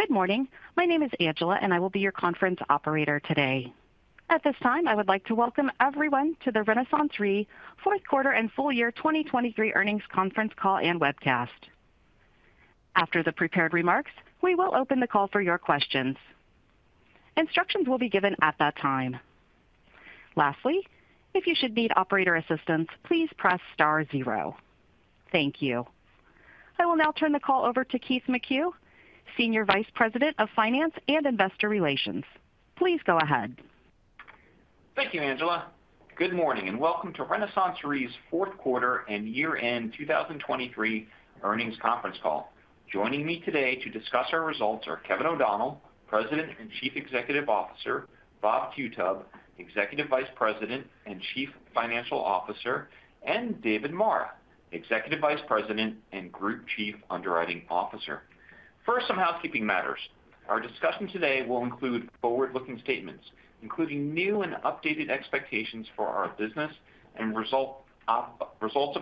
Good morning. My name is Angela, and I will be your conference operator today. At this time, I would like to welcome everyone to the RenaissanceRe fourth quarter and full year 2023 earnings conference call and webcast. After the prepared remarks, we will open the call for your questions. Instructions will be given at that time. Lastly, if you should need operator assistance, please press star zero. Thank you. I will now turn the call over to Keith McCue, Senior Vice President of Finance and Investor Relations. Please go ahead. Thank you, Angela. Good morning, and welcome to RenaissanceRe's fourth quarter and year-end 2023 earnings conference call. Joining me today to discuss our results are Kevin O'Donnell, President and Chief Executive Officer, Bob Qutub, Executive Vice President and Chief Financial Officer, and David Marra, Executive Vice President and Group Chief Underwriting Officer. First, some housekeeping matters. Our discussion today will include forward-looking statements, including new and updated expectations for our business and results of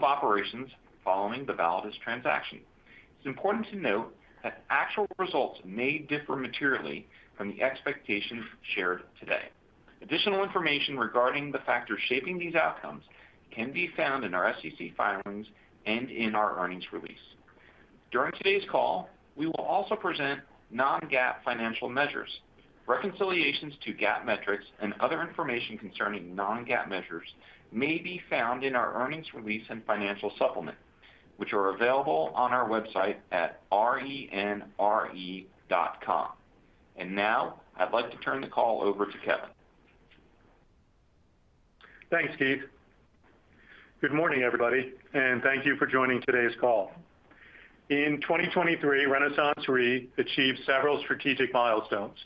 operations following the Validus transaction. It's important to note that actual results may differ materially from the expectations shared today. Additional information regarding the factors shaping these outcomes can be found in our SEC filings and in our earnings release. During today's call, we will also present non-GAAP financial measures. Reconciliations to GAAP metrics and other information concerning non-GAAP measures may be found in our earnings release and financial supplement, which are available on our website at renre.com. Now, I'd like to turn the call over to Kevin. Thanks, Keith. Good morning, everybody, and thank you for joining today's call. In 2023, RenaissanceRe achieved several strategic milestones.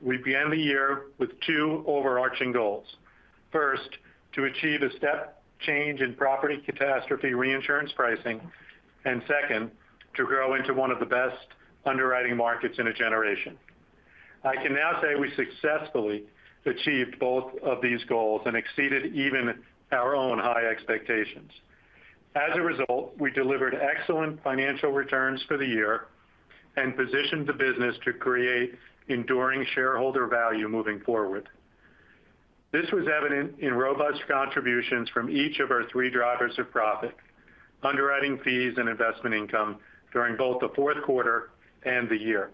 We began the year with two overarching goals. First, to achieve a step change in property catastrophe reinsurance pricing, and second, to grow into one of the best underwriting markets in a generation. I can now say we successfully achieved both of these goals and exceeded even our own high expectations. As a result, we delivered excellent financial returns for the year and positioned the business to create enduring shareholder value moving forward. This was evident in robust contributions from each of our three drivers of profit, underwriting fees, and investment income during both the fourth quarter and the year.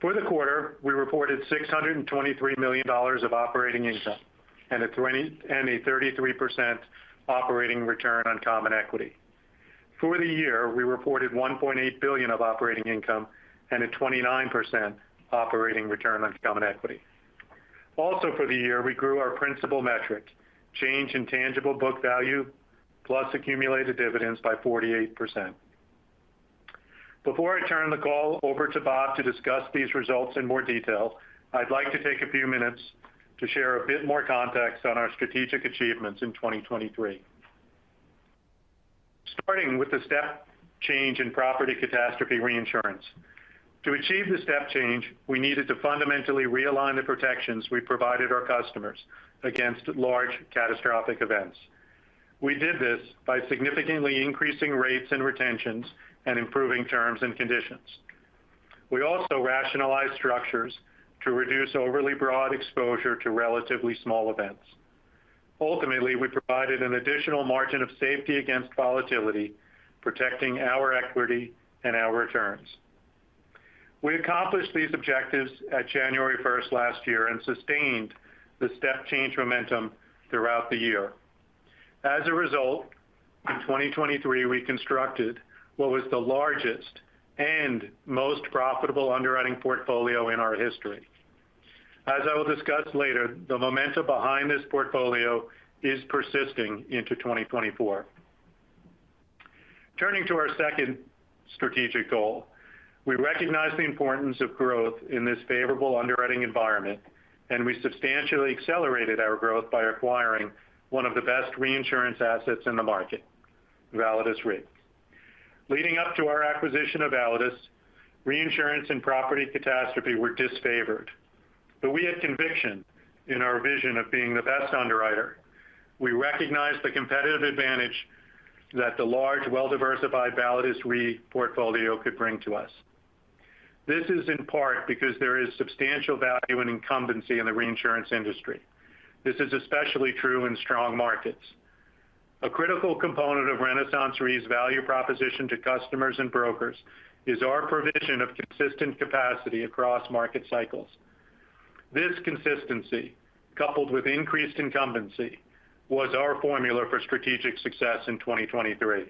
For the quarter, we reported $623 million of operating income and a 33% operating return on common equity. For the year, we reported $1.8 billion of operating income and a 29% operating return on common equity. Also, for the year, we grew our principal metric, change in tangible book value, plus accumulated dividends by 48%. Before I turn the call over to Bob to discuss these results in more detail, I'd like to take a few minutes to share a bit more context on our strategic achievements in 2023. Starting with the step change in property catastrophe reinsurance. To achieve the step change, we needed to fundamentally realign the protections we provided our customers against large catastrophic events. We did this by significantly increasing rates and retentions and improving terms and conditions. We also rationalized structures to reduce overly broad exposure to relatively small events. Ultimately, we provided an additional margin of safety against volatility, protecting our equity and our returns. We accomplished these objectives at January first last year and sustained the step change momentum throughout the year. As a result, in 2023, we constructed what was the largest and most profitable underwriting portfolio in our history. As I will discuss later, the momentum behind this portfolio is persisting into 2024. Turning to our second strategic goal, we recognize the importance of growth in this favorable underwriting environment, and we substantially accelerated our growth by acquiring one of the best reinsurance assets in the market, Validus Re. Leading up to our acquisition of Validus, reinsurance and property catastrophe were disfavored, but we had conviction in our vision of being the best underwriter. We recognized the competitive advantage that the large, well-diversified Validus Re portfolio could bring to us. This is in part because there is substantial value and incumbency in the reinsurance industry. This is especially true in strong markets. A critical component of RenaissanceRe's value proposition to customers and brokers is our provision of consistent capacity across market cycles. This consistency, coupled with increased incumbency, was our formula for strategic success in 2023.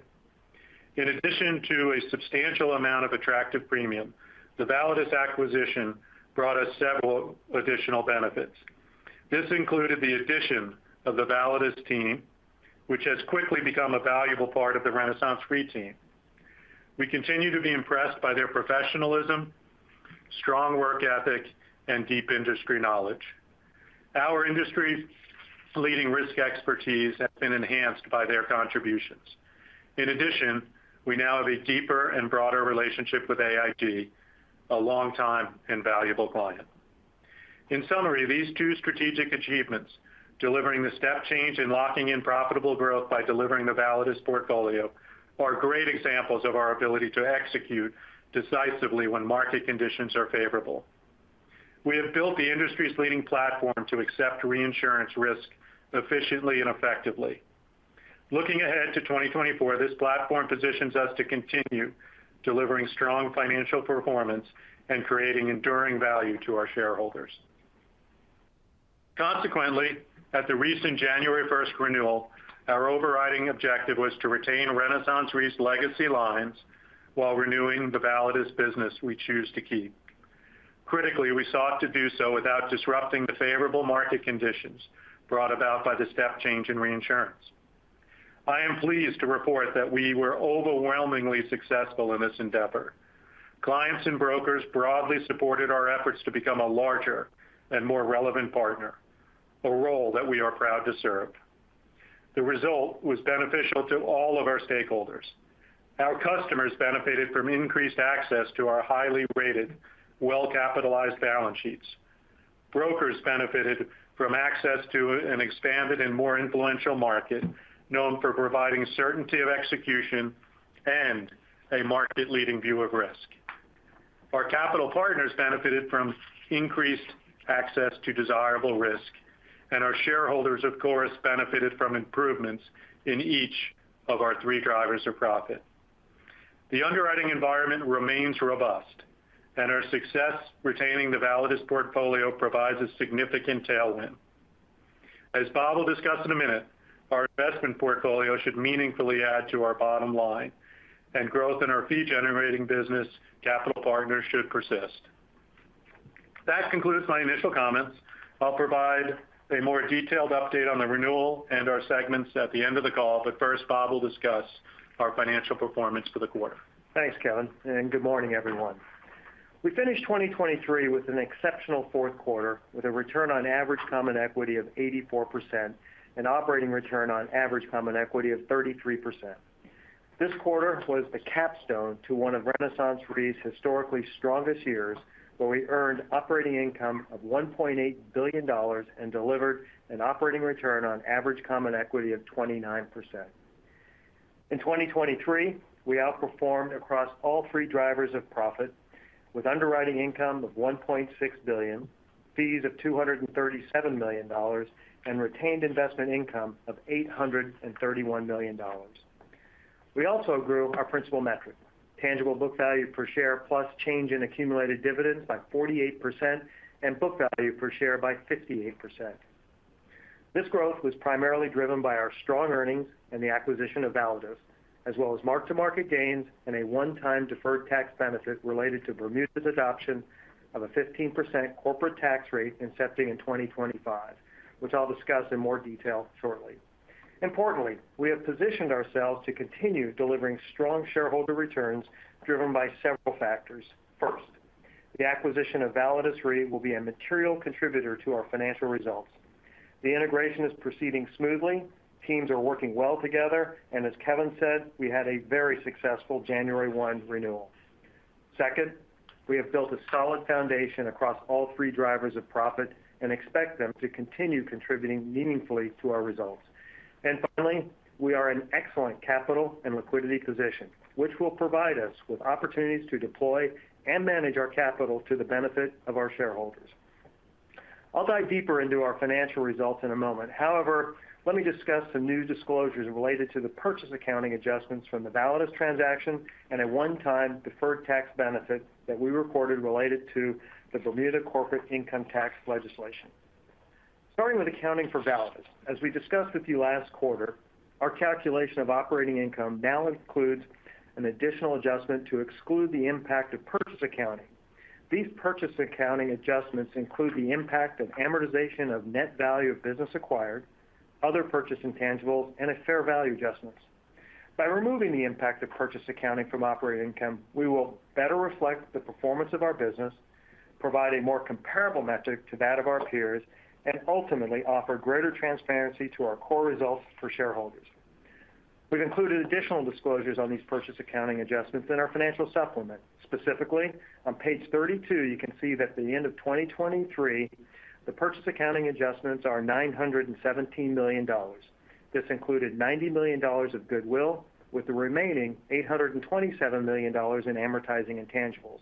In addition to a substantial amount of attractive premium, the Validus acquisition brought us several additional benefits. This included the addition of the Validus team, which has quickly become a valuable part of the RenaissanceRe team. We continue to be impressed by their professionalism, strong work ethic, and deep industry knowledge. Our industry's leading risk expertise has been enhanced by their contributions. In addition, we now have a deeper and broader relationship with AIG, a long-time and valuable client. In summary, these two strategic achievements, delivering the step change and locking in profitable growth by delivering the Validus portfolio, are great examples of our ability to execute decisively when market conditions are favorable. We have built the industry's leading platform to accept reinsurance risk efficiently and effectively. Looking ahead to 2024, this platform positions us to continue delivering strong financial performance and creating enduring value to our shareholders. Consequently, at the recent January first renewal, our overriding objective was to retain RenaissanceRe's legacy lines while renewing the Validus business we choose to keep. Critically, we sought to do so without disrupting the favorable market conditions brought about by the step change in reinsurance. I am pleased to report that we were overwhelmingly successful in this endeavor. Clients and brokers broadly supported our efforts to become a larger and more relevant partner, a role that we are proud to serve. The result was beneficial to all of our stakeholders. Our customers benefited from increased access to our highly rated, well-capitalized balance sheets. Brokers benefited from access to an expanded and more influential market, known for providing certainty of execution and a market-leading view of risk. Our capital partners benefited from increased access to desirable risk, and our shareholders, of course, benefited from improvements in each of our three drivers of profit. The underwriting environment remains robust, and our success retaining the Validus portfolio provides a significant tailwind. As Bob will discuss in a minute, our investment portfolio should meaningfully add to our bottom line, and growth in our fee-generating business, Capital Partners, should persist. That concludes my initial comments. I'll provide a more detailed update on the renewal and our segments at the end of the call, but first, Bob will discuss our financial performance for the quarter. Thanks, Kevin, and good morning, everyone. We finished 2023 with an exceptional fourth quarter, with a return on average common equity of 84% and operating return on average common equity of 33%. This quarter was the capstone to one of RenaissanceRe's historically strongest years, where we earned operating income of $1.8 billion and delivered an operating return on average common equity of 29%. In 2023, we outperformed across all three drivers of profit, with underwriting income of $1.6 billion, fees of $237 million, and retained investment income of $831 million. We also grew our principal metric, tangible book value per share, plus change in accumulated dividends by 48% and book value per share by 58%. This growth was primarily driven by our strong earnings and the acquisition of Validus, as well as mark-to-market gains and a one-time deferred tax benefit related to Bermuda's adoption of a 15% corporate tax rate, incepting in 2025, which I'll discuss in more detail shortly. Importantly, we have positioned ourselves to continue delivering strong shareholder returns, driven by several factors. First, the acquisition of Validus Re will be a material contributor to our financial results. The integration is proceeding smoothly, teams are working well together, and as Kevin said, we had a very successful January 1 renewal. Second, we have built a solid foundation across all three drivers of profit and expect them to continue contributing meaningfully to our results. And finally, we are in excellent capital and liquidity position, which will provide us with opportunities to deploy and manage our capital to the benefit of our shareholders. I'll dive deeper into our financial results in a moment. However, let me discuss some new disclosures related to the purchase accounting adjustments from the Validus transaction and a one-time deferred tax benefit that we reported related to the Bermuda corporate income tax legislation. Starting with accounting for Validus. As we discussed with you last quarter, our calculation of operating income now includes an additional adjustment to exclude the impact of purchase accounting. These purchase accounting adjustments include the impact of amortization of net value of business acquired, other purchase intangibles, and a fair value adjustments. By removing the impact of purchase accounting from operating income, we will better reflect the performance of our business, provide a more comparable metric to that of our peers, and ultimately offer greater transparency to our core results for shareholders. We've included additional disclosures on these purchase accounting adjustments in our financial supplement. Specifically, on page 32, you can see that at the end of 2023, the purchase accounting adjustments are $917 million. This included $90 million of goodwill, with the remaining $827 million in amortizing intangibles.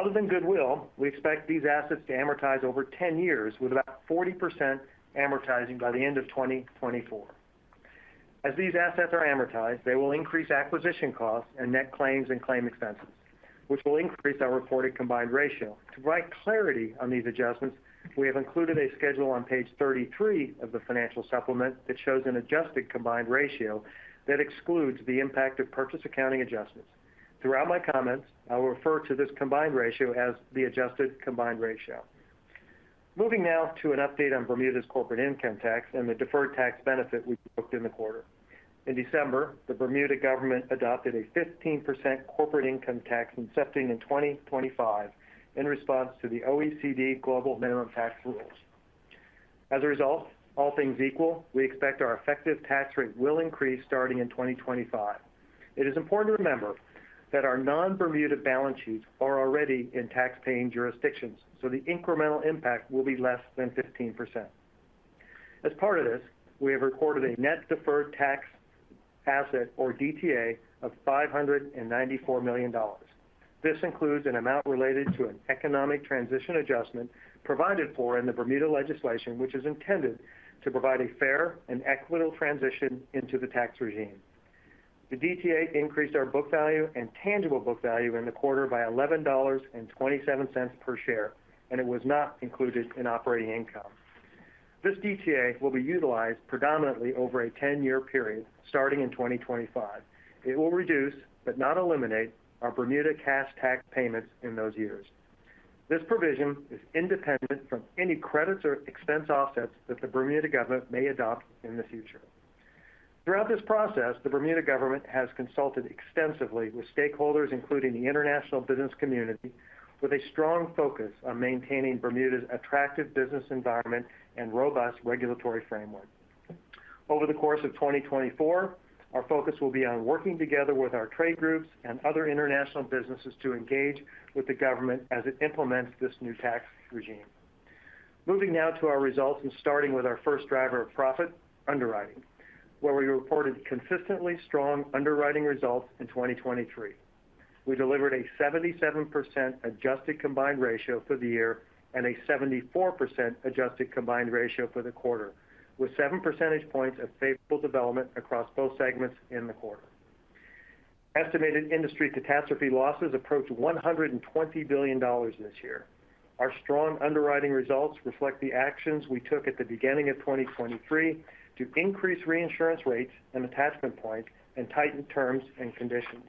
Other than goodwill, we expect these assets to amortize over 10 years, with about 40% amortizing by the end of 2024. As these assets are amortized, they will increase acquisition costs and net claims and claim expenses, which will increase our reported combined ratio. To provide clarity on these adjustments, we have included a schedule on page 33 of the financial supplement that shows an adjusted combined ratio that excludes the impact of purchase accounting adjustments. Throughout my comments, I will refer to this combined ratio as the adjusted combined ratio. Moving now to an update on Bermuda's corporate income tax and the deferred tax benefit we booked in the quarter. In December, the Bermuda government adopted a 15% corporate income tax, incepting in 2025, in response to the OECD global minimum tax rules. As a result, all things equal, we expect our effective tax rate will increase starting in 2025. It is important to remember that our non-Bermuda balance sheets are already in tax-paying jurisdictions, so the incremental impact will be less than 15%. As part of this, we have recorded a net deferred tax asset, or DTA, of $594 million. This includes an amount related to an economic transition adjustment provided for in the Bermuda legislation, which is intended to provide a fair and equitable transition into the tax regime. The DTA increased our book value and tangible book value in the quarter by $11.27 per share, and it was not included in operating income. This DTA will be utilized predominantly over a 10-year period, starting in 2025. It will reduce, but not eliminate, our Bermuda cash tax payments in those years. This provision is independent from any credits or expense offsets that the Bermuda government may adopt in the future. Throughout this process, the Bermuda government has consulted extensively with stakeholders, including the international business community, with a strong focus on maintaining Bermuda's attractive business environment and robust regulatory framework. Over the course of 2024, our focus will be on working together with our trade groups and other international businesses to engage with the government as it implements this new tax regime. Moving now to our results and starting with our first driver of profit, underwriting, where we reported consistently strong underwriting results in 2023. We delivered a 77% adjusted combined ratio for the year and a 74% adjusted combined ratio for the quarter, with 7 percentage points of favorable development across both segments in the quarter. Estimated industry catastrophe losses approached $120 billion this year. Our strong underwriting results reflect the actions we took at the beginning of 2023 to increase reinsurance rates and attachment points and tighten terms and conditions.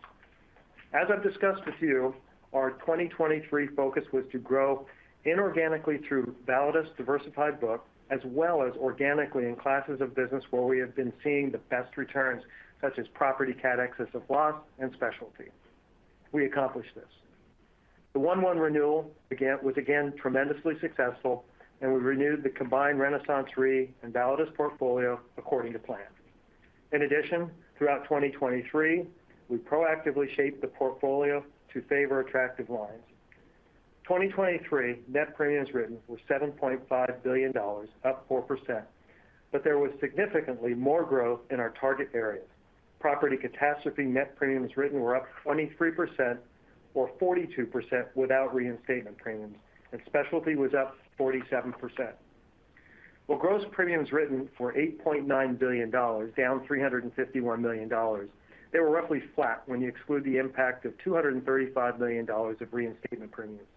As I've discussed with you, our 2023 focus was to grow inorganically through Validus' diversified book, as well as organically in classes of business where we have been seeing the best returns, such as property cat excess of loss and specialty. We accomplished this. The 1/1 renewal again was again tremendously successful, and we renewed the combined RenaissanceRe and Validus portfolio according to plan. In addition, throughout 2023, we proactively shaped the portfolio to favor attractive lines. 2023 net premiums written were $7.5 billion, up 4%, but there was significantly more growth in our target areas. Property catastrophe net premiums written were up 23% or 42% without reinstatement premiums, and specialty was up 47%. While gross premiums written were $8.9 billion, down $351 million, they were roughly flat when you exclude the impact of $235 million of reinstatement premiums.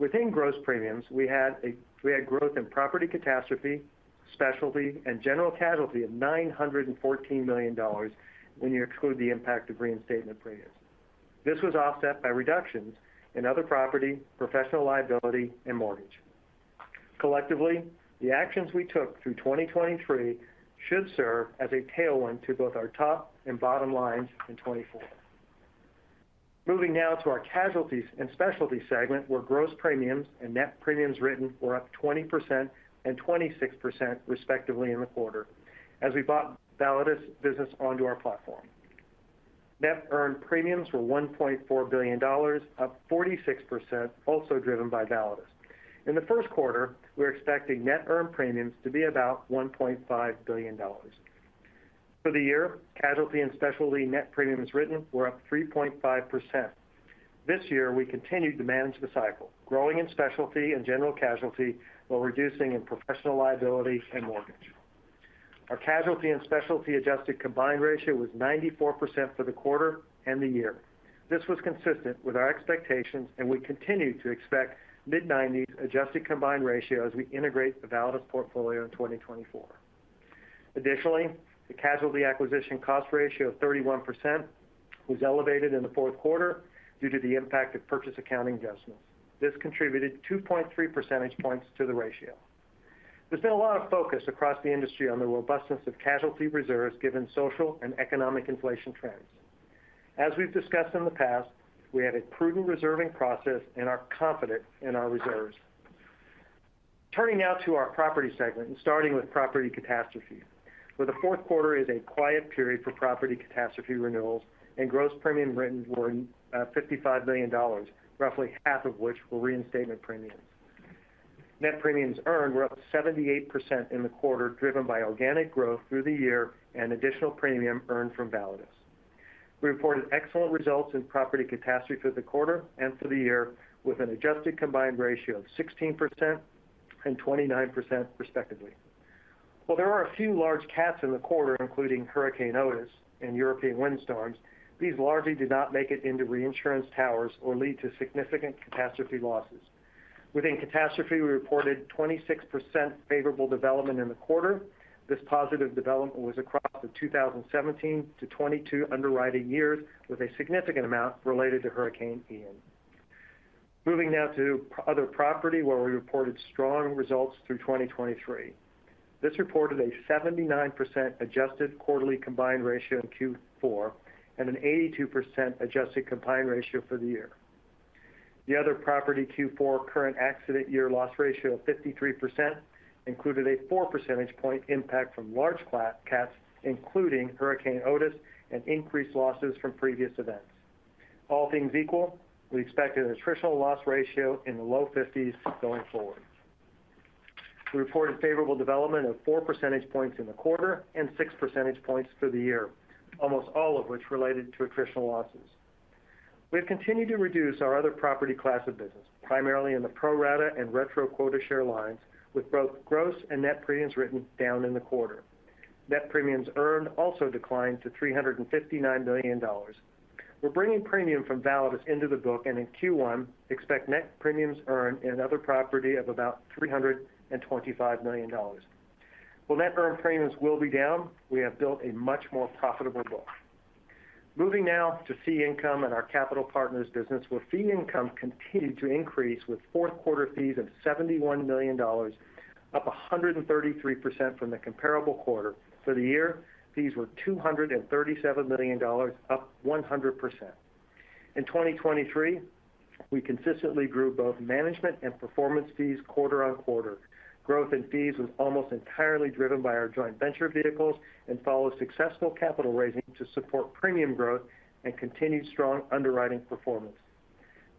Within gross premiums, we had growth in property catastrophe, specialty, and general casualty of $914 million when you exclude the impact of reinstatement premiums. This was offset by reductions in other property, professional liability, and mortgage. Collectively, the actions we took through 2023 should serve as a tailwind to both our top and bottom lines in 2024. Moving now to our casualty and specialty segment, where gross premiums and net premiums written were up 20% and 26% respectively in the quarter, as we brought Validus business onto our platform. Net earned premiums were $1.4 billion, up 46%, also driven by Validus. In the first quarter, we're expecting net earned premiums to be about $1.5 billion. For the year, casualty and specialty net premiums written were up 3.5%. This year, we continued to manage the cycle, growing in specialty and general casualty, while reducing in professional liability and mortgage. Our casualty and specialty adjusted combined ratio was 94% for the quarter and the year. This was consistent with our expectations, and we continue to expect mid-90s adjusted combined ratio as we integrate the Validus portfolio in 2024. Additionally, the casualty acquisition cost ratio of 31% was elevated in the fourth quarter due to the impact of purchase accounting adjustments. This contributed 2.3 percentage points to the ratio. There's been a lot of focus across the industry on the robustness of casualty reserves, given social and economic inflation trends. As we've discussed in the past, we have a prudent reserving process and are confident in our reserves. Turning now to our property segment, and starting with property catastrophe, where the fourth quarter is a quiet period for property catastrophe renewals and gross premiums written were $55 billion, roughly half of which were reinstatement premiums. Net premiums earned were up 78% in the quarter, driven by organic growth through the year and additional premium earned from Validus. We reported excellent results in property catastrophe for the quarter and for the year, with an adjusted combined ratio of 16% and 29%, respectively. While there are a few large cats in the quarter, including Hurricane Otis and European windstorms, these largely did not make it into reinsurance towers or lead to significant catastrophe losses. Within catastrophe, we reported 26% favorable development in the quarter. This positive development was across the 2017 to 2022 underwriting years, with a significant amount related to Hurricane Ian. Moving now to other property, where we reported strong results through 2023. This reported a 79% adjusted quarterly combined ratio in Q4 and an 82% adjusted combined ratio for the year. The other property Q4 current accident year loss ratio of 53%, included a 4 percentage point impact from large class cats, including Hurricane Otis and increased losses from previous events. All things equal, we expect an attritional loss ratio in the low fifties going forward. We reported favorable development of 4 percentage points in the quarter and 6 percentage points for the year, almost all of which related to attritional losses. We've continued to reduce our other property class of business, primarily in the pro rata and retro quota share lines, with both gross and net premiums written down in the quarter. Net premiums earned also declined to $359 million. We're bringing premium from Validus into the book, and in Q1, expect net premiums earned in other property of about $325 million. While net earned premiums will be down, we have built a much more profitable book. Moving now to fee income and our capital partners business, where fee income continued to increase with fourth quarter fees of $71 million, up 133% from the comparable quarter. For the year, fees were $237 million, up 100%. In 2023, we consistently grew both management and performance fees quarter-over-quarter. Growth in fees was almost entirely driven by our joint venture vehicles and followed successful capital raising to support premium growth and continued strong underwriting performance.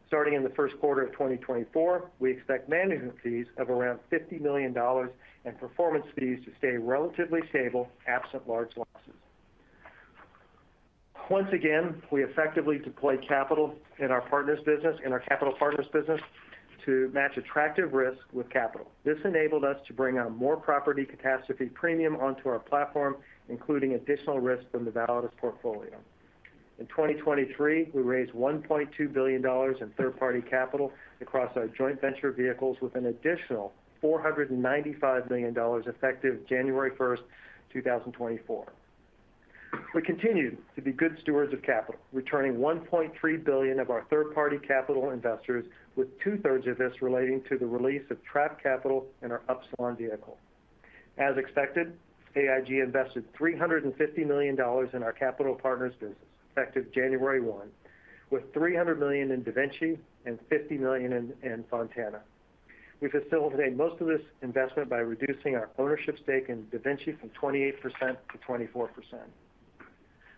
Starting in the first quarter of 2024, we expect management fees of around $50 million and performance fees to stay relatively stable, absent large losses. Once again, we effectively deployed capital in our partners business, in our capital partners business to match attractive risk with capital. This enabled us to bring on more property catastrophe premium onto our platform, including additional risk from the Validus portfolio. In 2023, we raised $1.2 billion in third-party capital across our joint venture vehicles with an additional $495 million effective January 1, 2024. We continued to be good stewards of capital, returning $1.3 billion of our third-party capital investors, with two-thirds of this relating to the release of trapped capital in our Upsilon vehicle. As expected, AIG invested $350 million in our capital partners business, effective January 1, with $300 million in DaVinci and $50 million in Fontana. We facilitated most of this investment by reducing our ownership stake in DaVinci from 28%-24%.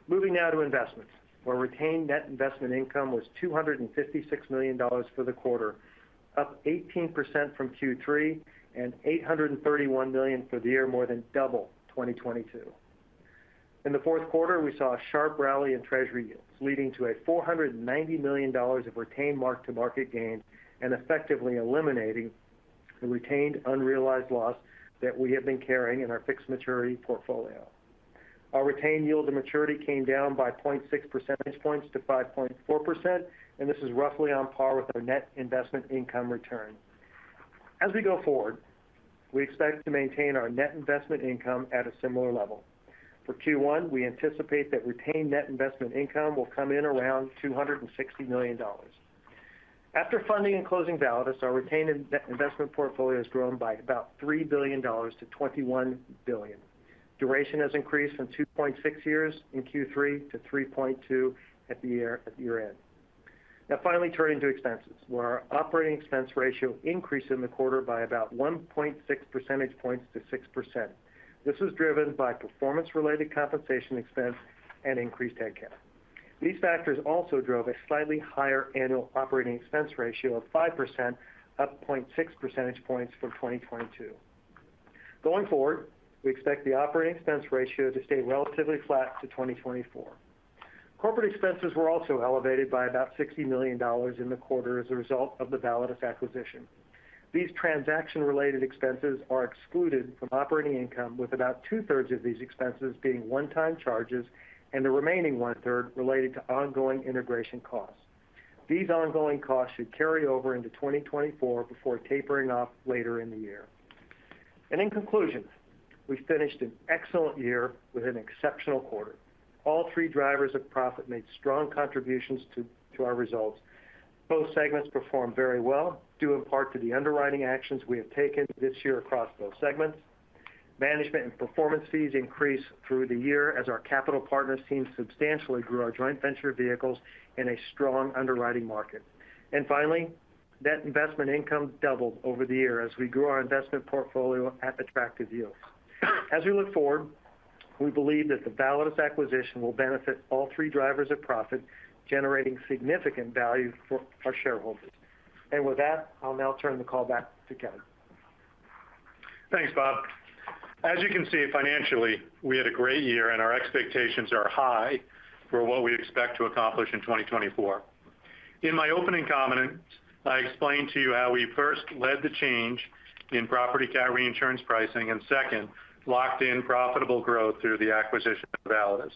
Moving now to investments, where retained net investment income was $256 million for the quarter, up 18% from Q3 and $831 million for the year, more than double 2022. In the fourth quarter, we saw a sharp rally in treasury yields, leading to a $490 million of retained mark-to-market gain and effectively eliminating the retained unrealized loss that we have been carrying in our fixed maturity portfolio. Our retained yield to maturity came down by 0.6 percentage points to 5.4%, and this is roughly on par with our net investment income return. As we go forward, we expect to maintain our net investment income at a similar level. For Q1, we anticipate that retained net investment income will come in around $260 million. After funding and closing Validus, our retained investment portfolio has grown by about $3 billion to $21 billion. Duration has increased from two and six-tenths years in Q3 to 3.2 at year-end. Now, finally, turning to expenses, where our operating expense ratio increased in the quarter by about 1.6 percentage points to 6%. This was driven by performance-related compensation expense and increased head count. These factors also drove a slightly higher annual operating expense ratio of 5%, up 0.6 percentage points from 2022. Going forward, we expect the operating expense ratio to stay relatively flat to 2024. Corporate expenses were also elevated by about $60 million in the quarter as a result of the Validus acquisition. These transaction-related expenses are excluded from operating income, with about two-thirds of these expenses being one-time charges and the remaining one-third related to ongoing integration costs. These ongoing costs should carry over into 2024 before tapering off later in the year. In conclusion, we finished an excellent year with an exceptional quarter. All three drivers of profit made strong contributions to our results. Both segments performed very well, due in part to the underwriting actions we have taken this year across both segments. Management and performance fees increased through the year as our capital partners team substantially grew our joint venture vehicles in a strong underwriting market. And finally, net investment income doubled over the year as we grew our investment portfolio at attractive yields. As we look forward, we believe that the Validus acquisition will benefit all three drivers of profit, generating significant value for our shareholders. And with that, I'll now turn the call back to Kevin. Thanks, Bob. As you can see, financially, we had a great year, and our expectations are high for what we expect to accomplish in 2024. In my opening comments, I explained to you how we first led the change in property cat reinsurance pricing, and second, locked in profitable growth through the acquisition of Validus.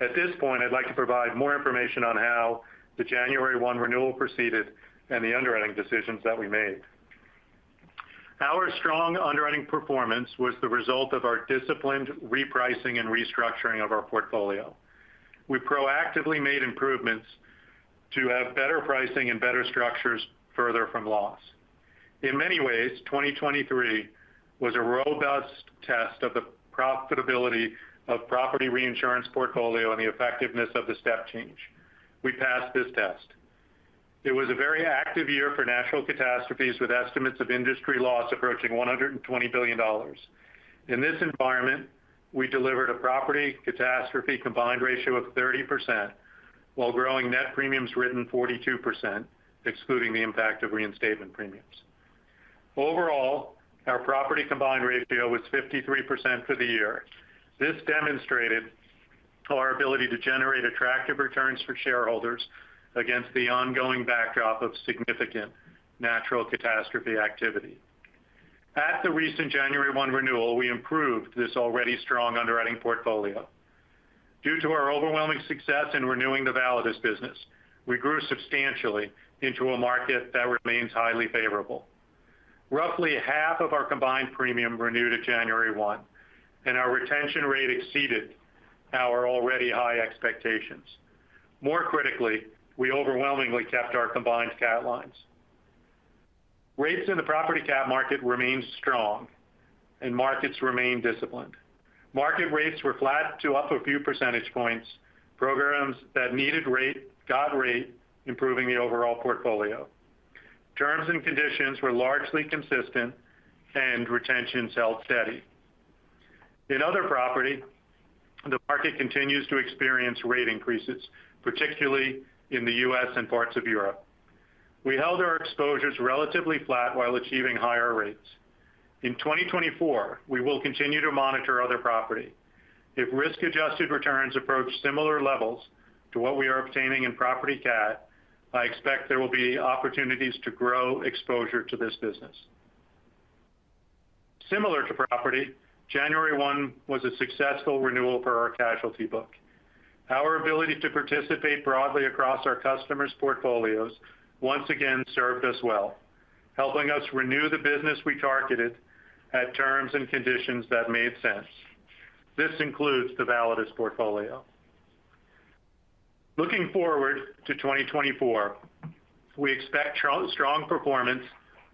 At this point, I'd like to provide more information on how the January 1 renewal proceeded and the underwriting decisions that we made. Our strong underwriting performance was the result of our disciplined repricing and restructuring of our portfolio. We proactively made improvements to have better pricing and better structures further from loss. In many ways, 2023 was a robust test of the profitability of property reinsurance portfolio and the effectiveness of the step change. We passed this test. It was a very active year for natural catastrophes, with estimates of industry loss approaching $120 billion. In this environment, we delivered a property catastrophe combined ratio of 30%, while growing net premiums written 42%, excluding the impact of reinstatement premiums. Overall, our property combined ratio was 53% for the year. This demonstrated our ability to generate attractive returns for shareholders against the ongoing backdrop of significant natural catastrophe activity. At the recent January 1 renewal, we improved this already strong underwriting portfolio. Due to our overwhelming success in renewing the Validus business, we grew substantially into a market that remains highly favorable. Roughly half of our combined premium renewed at January 1, and our retention rate exceeded our already high expectations. More critically, we overwhelmingly kept our combined cat lines. Rates in the property cat market remain strong, and markets remain disciplined. Market rates were flat to up a few percentage points. Programs that needed rate, got rate, improving the overall portfolio. Terms and conditions were largely consistent and retention held steady. In other property, the market continues to experience rate increases, particularly in the U.S. and parts of Europe. We held our exposures relatively flat while achieving higher rates. In 2024, we will continue to monitor other property. If risk-adjusted returns approach similar levels to what we are obtaining in property cat, I expect there will be opportunities to grow exposure to this business. Similar to property, January 1 was a successful renewal for our casualty book. Our ability to participate broadly across our customers' portfolios once again served us well, helping us renew the business we targeted at terms and conditions that made sense. This includes the Validus portfolio. Looking forward to 2024, we expect strong, strong performance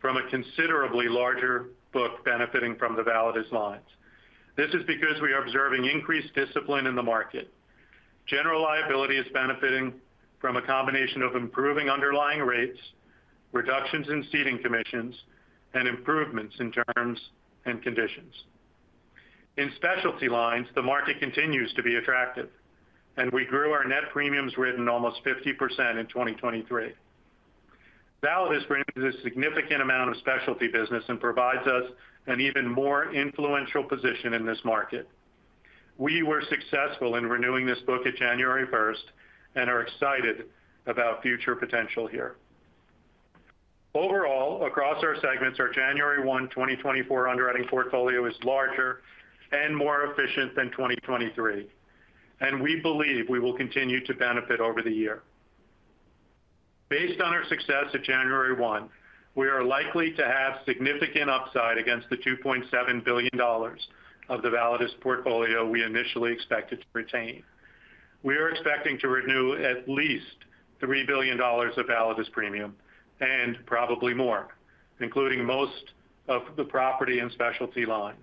from a considerably larger book benefiting from the Validus lines. This is because we are observing increased discipline in the market. General liability is benefiting from a combination of improving underlying rates, reductions in ceding commissions, and improvements in terms and conditions. In specialty lines, the market continues to be attractive, and we grew our net premiums written almost 50% in 2023. Validus brings a significant amount of specialty business and provides us an even more influential position in this market. We were successful in renewing this book at January first and are excited about future potential here. Overall, across our segments, our January 1, 2024 underwriting portfolio is larger and more efficient than 2023, and we believe we will continue to benefit over the year. Based on our success at January 1, we are likely to have significant upside against the $2.7 billion of the Validus portfolio we initially expected to retain. We are expecting to renew at least $3 billion of Validus premium and probably more, including most of the property and specialty lines.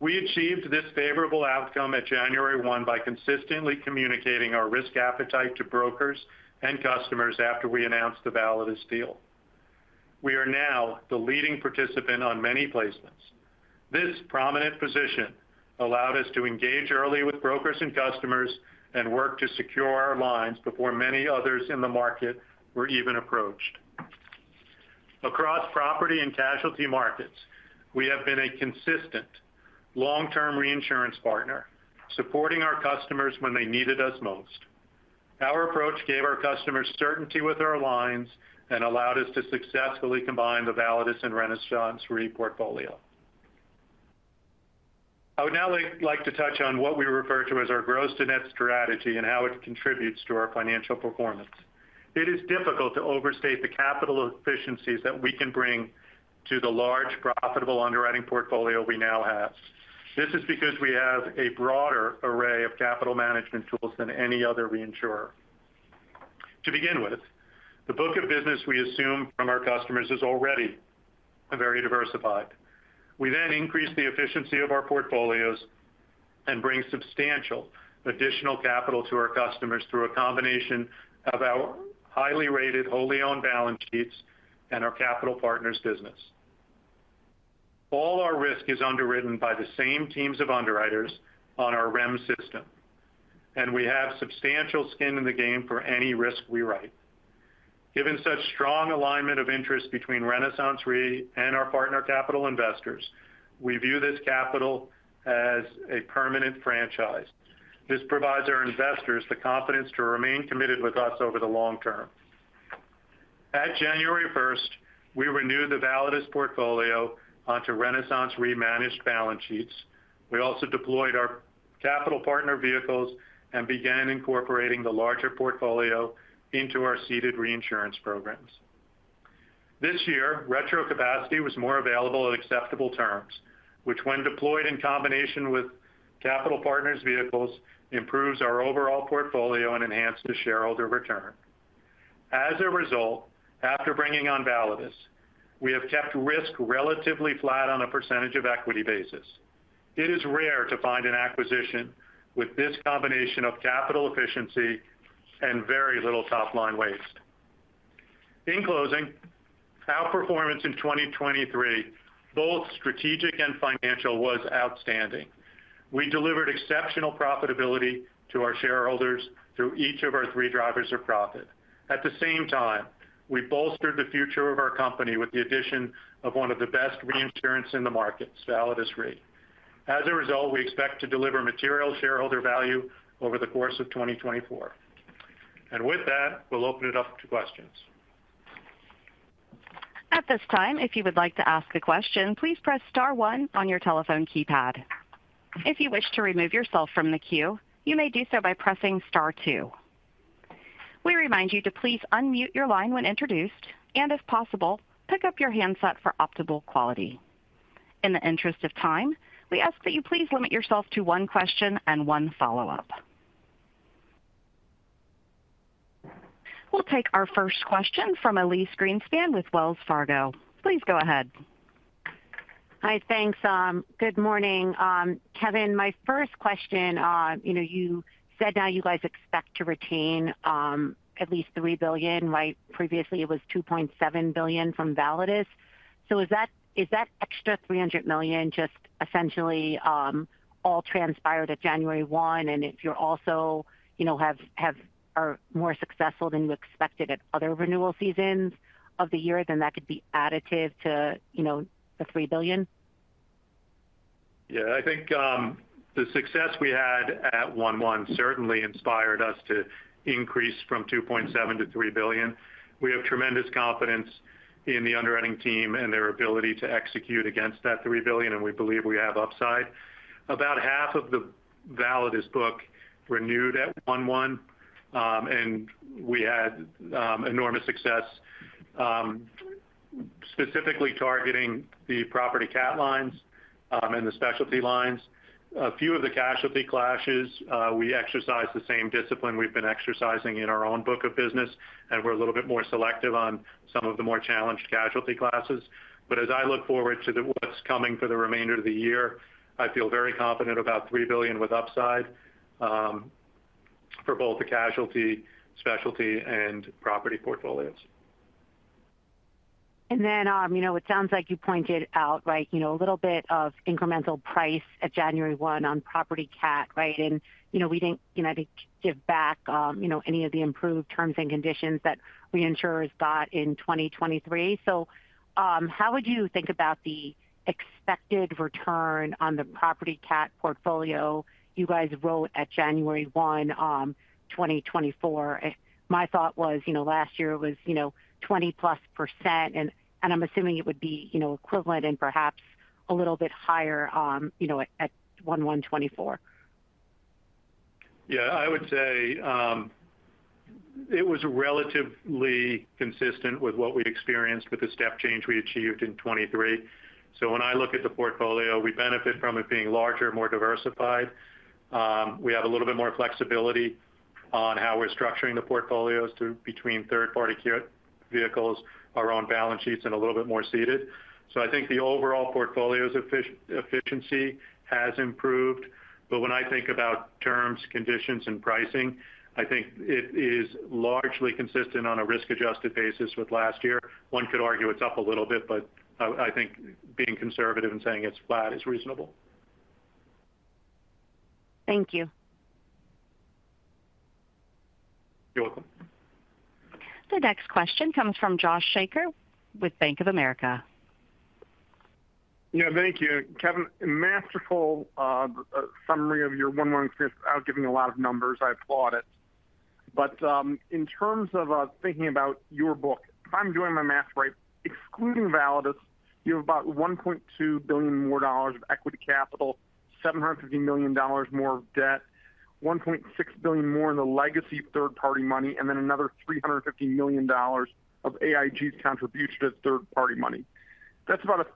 We achieved this favorable outcome at January 1 by consistently communicating our risk appetite to brokers and customers after we announced the Validus deal. We are now the leading participant on many placements. This prominent position allowed us to engage early with brokers and customers and work to secure our lines before many others in the market were even approached. Across property and casualty markets, we have been a consistent long-term reinsurance partner, supporting our customers when they needed us most. Our approach gave our customers certainty with our lines and allowed us to successfully combine the Validus and RenaissanceRe portfolio. I would now like to touch on what we refer to as our gross to net strategy and how it contributes to our financial performance. It is difficult to overstate the capital efficiencies that we can bring to the large, profitable underwriting portfolio we now have. This is because we have a broader array of capital management tools than any other reinsurer. To begin with, the book of business we assume from our customers is already very diversified. We then increase the efficiency of our portfolios and bring substantial additional capital to our customers through a combination of our highly rated, wholly owned balance sheets and our capital partners business. All our risk is underwritten by the same teams of underwriters on our REM system, and we have substantial skin in the game for any risk we write. Given such strong alignment of interests between RenaissanceRe and our partner capital investors, we view this capital as a permanent franchise. This provides our investors the confidence to remain committed with us over the long term. At January first, we renewed the Validus portfolio onto RenaissanceRe-managed balance sheets. We also deployed our capital partner vehicles and began incorporating the larger portfolio into our ceded reinsurance programs. This year, retro capacity was more available at acceptable terms, which, when deployed in combination with capital partners' vehicles, improves our overall portfolio and enhances shareholder return. As a result, after bringing on Validus, we have kept risk relatively flat on a percentage of equity basis. It is rare to find an acquisition with this combination of capital efficiency and very little top-line waste. In closing, our performance in 2023, both strategic and financial, was outstanding. We delivered exceptional profitability to our shareholders through each of our three drivers of profit. At the same time, we bolstered the future of our company with the addition of one of the best reinsurance in the markets, Validus Re. As a result, we expect to deliver material shareholder value over the course of 2024. And with that, we'll open it up to questions. At this time, if you would like to ask a question, please press star one on your telephone keypad. If you wish to remove yourself from the queue, you may do so by pressing star two. We remind you to please unmute your line when introduced, and if possible, pick up your handset for optimal quality. In the interest of time, we ask that you please limit yourself to one question and one follow-up. We'll take our first question from Elyse Greenspan with Wells Fargo. Please go ahead. Hi, thanks. Good morning. Kevin, my first question, you know, you said now you guys expect to retain at least $3 billion, right? Previously, it was $2.7 billion from Validus. So is that, is that extra $300 million just essentially all transpired at January 1, and if you're also, you know, are more successful than you expected at other renewal seasons of the year, then that could be additive to, you know, the $3 billion? Yeah, I think, the success we had at 1/1 certainly inspired us to increase from $2.7 billion to $3 billion. We have tremendous confidence in the underwriting team and their ability to execute against that $3 billion, and we believe we have upside. About half of the Validus book renewed at 1/1, and we had enormous success, specifically targeting the property cat lines, and the specialty lines. A few of the casualty classes, we exercise the same discipline we've been exercising in our own book of business, and we're a little bit more selective on some of the more challenged casualty classes. But as I look forward to the what's coming for the remainder of the year, I feel very confident about $3 billion with upside, for both the casualty, specialty, and property portfolios. And then, you know, it sounds like you pointed out, like, you know, a little bit of incremental price at January 1 on property cat, right? And, you know, we didn't, you know, to give back, you know, any of the improved terms and conditions that reinsurers got in 2023. So, how would you think about the expected return on the property cat portfolio you guys wrote at January 1, 2024? My thought was, you know, last year was, you know, 20+%, and, and I'm assuming it would be, you know, equivalent and perhaps a little bit higher, you know, at, at 1/1 2024. Yeah, I would say it was relatively consistent with what we'd experienced with the step change we achieved in 2023. So when I look at the portfolio, we benefit from it being larger, more diversified. We have a little bit more flexibility on how we're structuring the portfolios to between third-party capital vehicles, our own balance sheets, and a little bit more ceded. So I think the overall portfolio's efficiency has improved, but when I think about terms, conditions, and pricing, I think it is largely consistent on a risk-adjusted basis with last year. One could argue it's up a little bit, but I, I think being conservative and saying it's flat is reasonable. Thank you. You're welcome. The next question comes from Josh Shanker with Bank of America. Yeah, thank you. Kevin, a masterful summary of your one-year experience without giving a lot of numbers. I applaud it. In terms of thinking about your book, if I'm doing my math right, excluding Validus, you have about $1.2 billion more of equity capital, $750 million more of debt, $1.6 billion more in the legacy third-party money, and then another $350 million of AIG's contribution to third-party money. That's about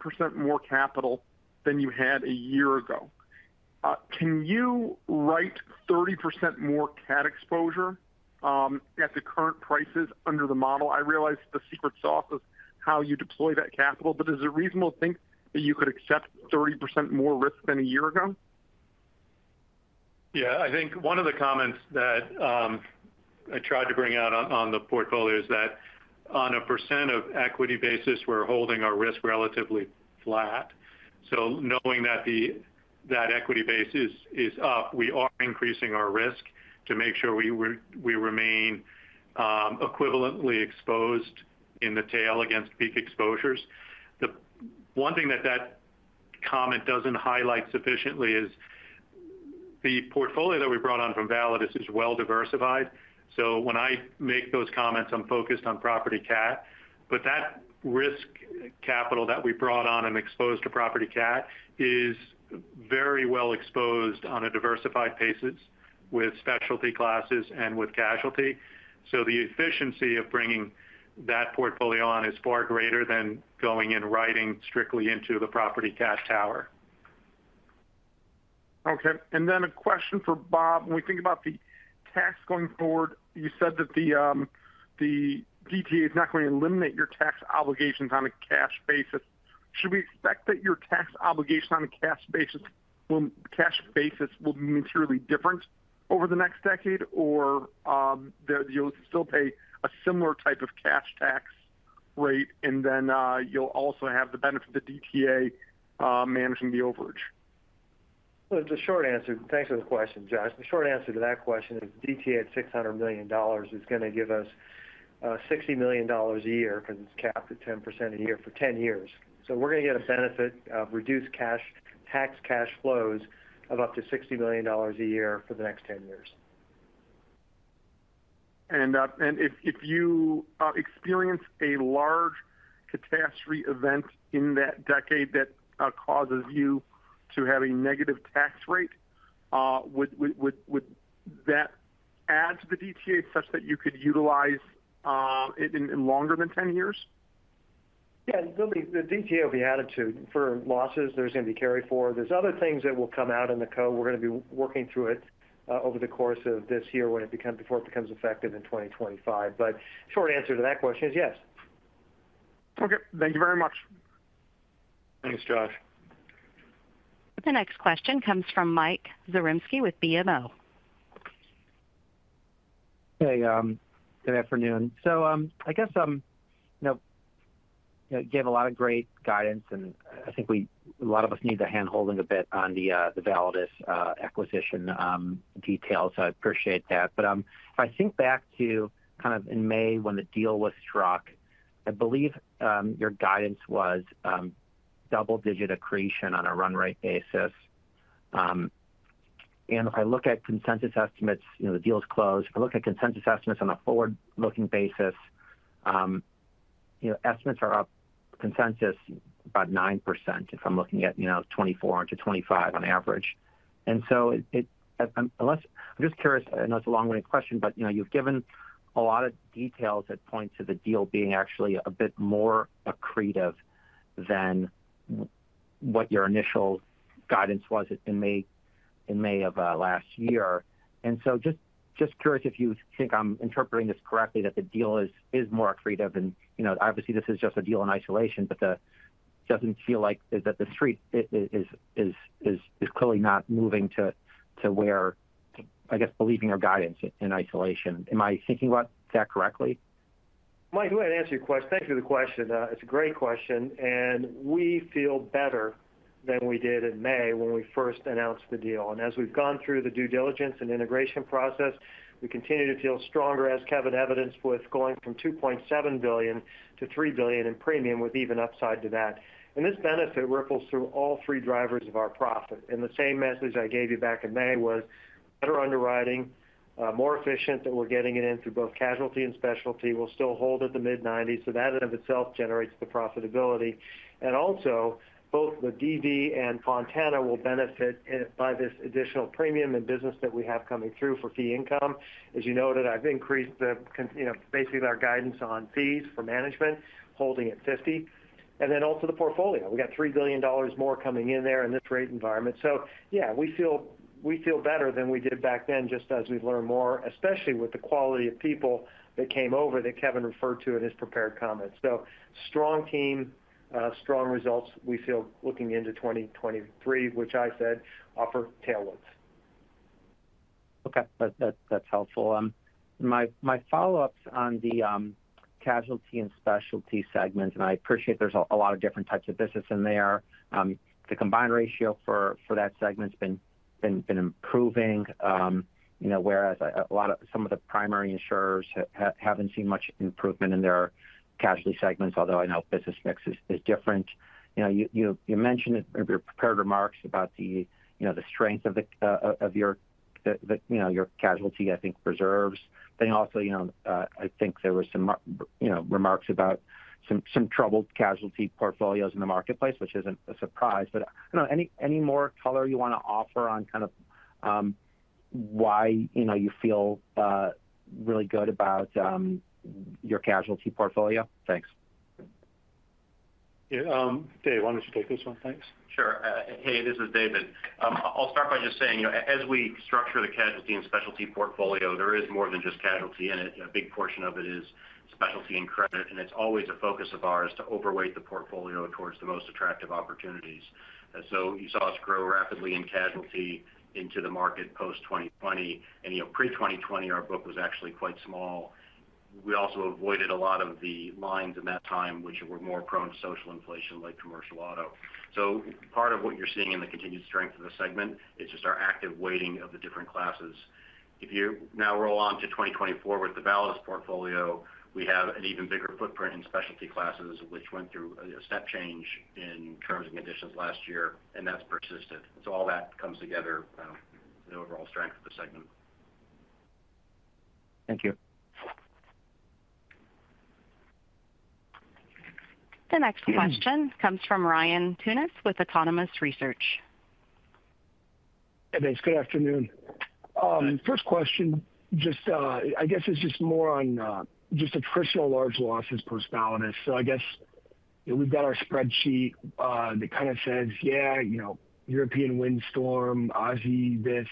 30% more capital than you had a year ago. Can you write 30% more cat exposure at the current prices under the model? I realize the secret sauce is how you deploy that capital, but is it reasonable to think that you could accept 30% more risk than a year ago? Yeah, I think one of the comments that I tried to bring out on the portfolio is that on a percent of equity basis, we're holding our risk relatively flat. So knowing that the equity base is up, we are increasing our risk to make sure we remain equivalently exposed in the tail against peak exposures. The one thing that that comment doesn't highlight sufficiently is the portfolio that we brought on from Validus is well diversified. So when I make those comments, I'm focused on property cat, but that risk capital that we brought on and exposed to property cat is very well exposed on a diversified basis with specialty classes and with casualty. So the efficiency of bringing that portfolio on is far greater than going and writing strictly into the property cat tower. Okay, and then a question for Bob. When we think about the tax going forward, you said that the DTA is not going to eliminate your tax obligations on a cash basis. Should we expect that your tax obligation on a cash basis will be materially different over the next decade? Or that you'll still pay a similar type of cash tax rate, and then you'll also have the benefit of the DTA managing the overage? Well, the short answer—thanks for the question, Josh. The short answer to that question is DTA at $600 million is going to give us $60 million a year, because it's capped at 10% a year for 10 years. So we're going to get a benefit of reduced cash tax cash flows of up to $60 million a year for the next 10 years. If you experience a large catastrophe event in that decade that causes you to have a negative tax rate, would that add to the DTA such that you could utilize it in longer than 10 years? Yeah, the DTA will be added to. For losses, there's going to be carry forward. There's other things that will come out in the code. We're going to be working through it over the course of this year when it becomes before it becomes effective in 2025. But short answer to that question is yes. Okay, thank you very much. Thanks, Josh. The next question comes from Mike Zaremski with BMO. Hey, good afternoon. So, I guess, you know, you gave a lot of great guidance, and I think we, a lot of us need the handholding a bit on the, the Validus, acquisition, details. So I appreciate that. But, if I think back to kind of in May when the deal was struck, I believe, your guidance was, double-digit accretion on a run rate basis. And if I look at consensus estimates, you know, the deal is closed. If I look at consensus estimates on a forward-looking basis, you know, estimates are up consensus about 9%, if I'm looking at, you know, 2024 into 2025 on average. I'm just curious. I know it's a long-winded question, but you know, you've given a lot of details that point to the deal being actually a bit more accretive than what your initial guidance was in May of last year. So just curious if you think I'm interpreting this correctly, that the deal is more accretive than. You know, obviously, this is just a deal in isolation, but it doesn't feel like the Street is clearly not moving to where, I guess, believing our guidance in isolation. Am I thinking about that correctly? Mike, go ahead and answer your question. Thank you for the question. It's a great question, and we feel better than we did in May when we first announced the deal. And as we've gone through the due diligence and integration process, we continue to feel stronger, as Kevin evidenced, with going from $2.7 billion to $3 billion in premium, with even upside to that. And this benefit ripples through all three drivers of our profit. And the same message I gave you back in May was better underwriting, more efficient, and we're getting it in through both casualty and specialty, will still hold at the mid-90s. So that in of itself generates the profitability. And also, both the DD and Fontana will benefit by this additional premium and business that we have coming through for fee income. As you noted, I've increased you know, basically our guidance on fees for management, holding at 50, and then also the portfolio. We got $3 billion more coming in there in this rate environment. So yeah, we feel, we feel better than we did back then, just as we've learned more, especially with the quality of people that came over, that Kevin referred to in his prepared comments. So strong team, strong results, we feel looking into 2023, which I said offer tailwinds. Okay, that's helpful. My follow-up's on the casualty and specialty segments, and I appreciate there's a lot of different types of business in there. The combined ratio for that segment has been improving, you know, whereas some of the primary insurers haven't seen much improvement in their casualty segments, although I know business mix is different. You know, you mentioned it in your prepared remarks about the strength of your casualty reserves, I think. Then also, you know, I think there were some remarks about some troubled casualty portfolios in the marketplace, which isn't a surprise. But, you know, any, any more color you want to offer on kind of, why, you know, you feel really good about your casualty portfolio? Thanks. Yeah, Dave, why don't you take this one? Thanks. Sure. Hey, this is David. I'll start by just saying, you know, as we structure the casualty and specialty portfolio, there is more than just casualty in it. A big portion of it is specialty and credit, and it's always a focus of ours to overweight the portfolio towards the most attractive opportunities. So you saw us grow rapidly in casualty into the market post-2020, and, you know, pre-2020, our book was actually quite small. We also avoided a lot of the lines in that time, which were more prone to social inflation, like commercial auto. So part of what you're seeing in the continued strength of the segment is just our active weighting of the different classes. If you now roll on to 2024 with the Validus portfolio, we have an even bigger footprint in specialty classes, which went through a step change in terms and conditions last year, and that's persisted. So all that comes together, the overall strength of the segment. Thank you. The next question comes from Ryan Tunis with Autonomous Research. Hey, thanks. Good afternoon. First question, just, I guess it's just more on, just attritional large losses post Validus. So I guess We've got our spreadsheet that kind of says, yeah, you know, European windstorm, Aussie events,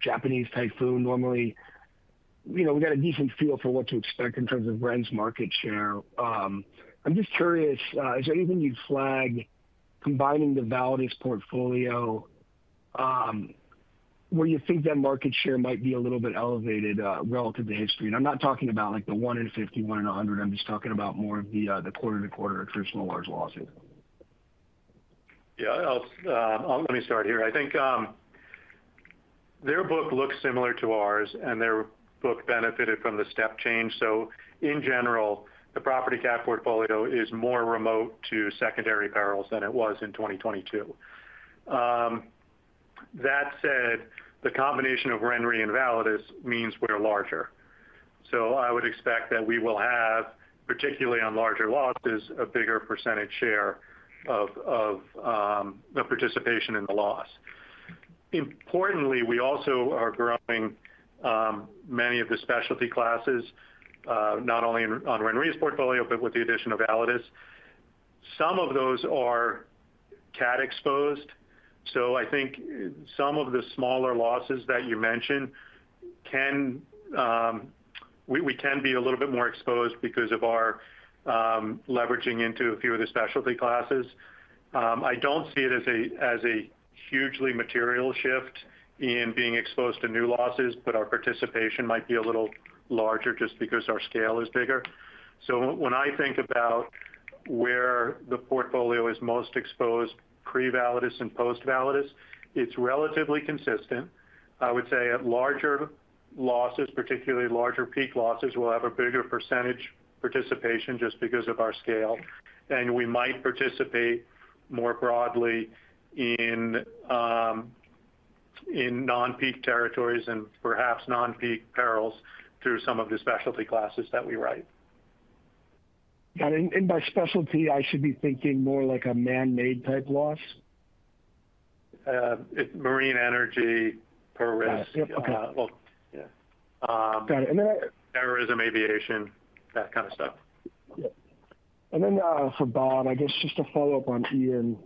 Japanese typhoon. Normally, you know, we've got a decent feel for what to expect in terms of Ren's market share. I'm just curious, is there anything you'd flag combining the Validus portfolio, where you think that market share might be a little bit elevated, relative to history? And I'm not talking about, like, the 1 in 50, 1 in 100. I'm just talking about more of the quarter-to-quarter traditional large losses. Yeah, let me start here. I think their book looks similar to ours, and their book benefited from the step change. So in general, the property cat portfolio is more remote to secondary perils than it was in 2022. That said, the combination of RenRe and Validus means we're larger. So I would expect that we will have, particularly on larger losses, a bigger percentage share of the participation in the loss. Importantly, we also are growing many of the specialty classes not only on RenRe's portfolio, but with the addition of Validus. Some of those are cat exposed, so I think some of the smaller losses that you mentioned can we can be a little bit more exposed because of our leveraging into a few of the specialty classes. I don't see it as a hugely material shift in being exposed to new losses, but our participation might be a little larger just because our scale is bigger. So when I think about where the portfolio is most exposed, pre-Validus and post-Validus, it's relatively consistent. I would say at larger losses, particularly larger peak losses, we'll have a bigger percentage participation just because of our scale. And we might participate more broadly in non-peak territories and perhaps non-peak perils through some of the specialty classes that we write. Got it. And by specialty, I should be thinking more like a man-made type loss? It's marine energy per risk. Got it. Okay. Well, yeah. Got it. And then- Terrorism, aviation, that kind of stuff. Yeah. Then, for Bob, I guess just to follow up on Ian,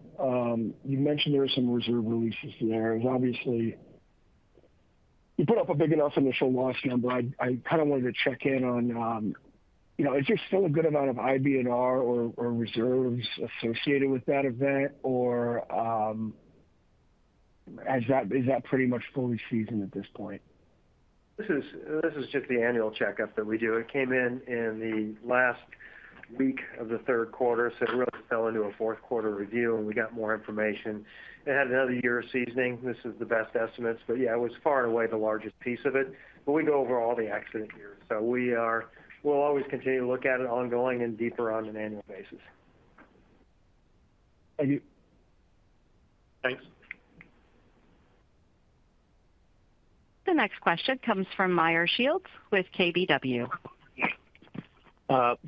you mentioned there were some reserve releases there. Obviously, you put up a big enough initial loss number. I kind of wanted to check in on, you know, is there still a good amount of IBNR or reserves associated with that event? Or, is that pretty much fully seasoned at this point? This is, this is just the annual checkup that we do. It came in in the last week of the third quarter, so it really fell into a fourth quarter review, and we got more information. It had another year of seasoning. This is the best estimates, but yeah, it was far and away the largest piece of it. But we go over all the accident years, so we are, we'll always continue to look at it ongoing and deeper on an annual basis. Thank you. Thanks. The next question comes from Meyer Shields with KBW.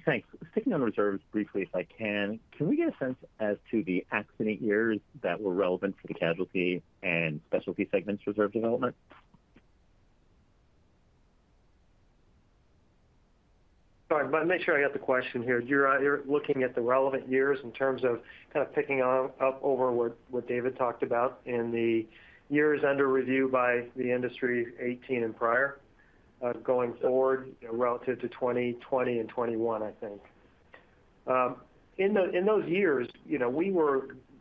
Thanks. Sticking on the reserves briefly, if I can, can we get a sense as to the accident years that were relevant for the casualty and specialty segments reserve development? Sorry, let me make sure I got the question here. You're, you're looking at the relevant years in terms of kind of picking on up over what David talked about in the years under review by the industry, 2018 and prior, going forward relative to 2020 and 2021, I think. In those, in those years, you know, we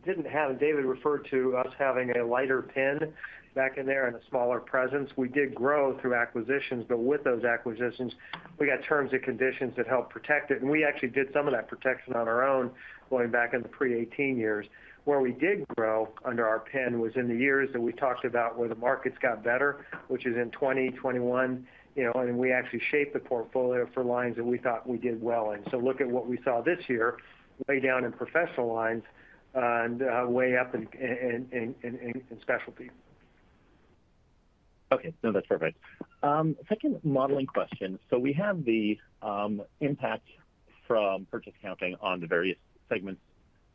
didn't have, David referred to us having a lighter pen back in there and a smaller presence. We did grow through acquisitions, but with those acquisitions, we got terms and conditions that helped protect it, and we actually did some of that protection on our own going back in the pre-2018 years. Where we did grow under our pen was in the years that we talked about where the markets got better, which is in 2021, you know, and we actually shaped the portfolio for lines that we thought we did well in. So look at what we saw this year, way down in professional lines and way up in specialty. Okay, no, that's perfect. Second modeling question. So we have the impact from purchase accounting on the various segments,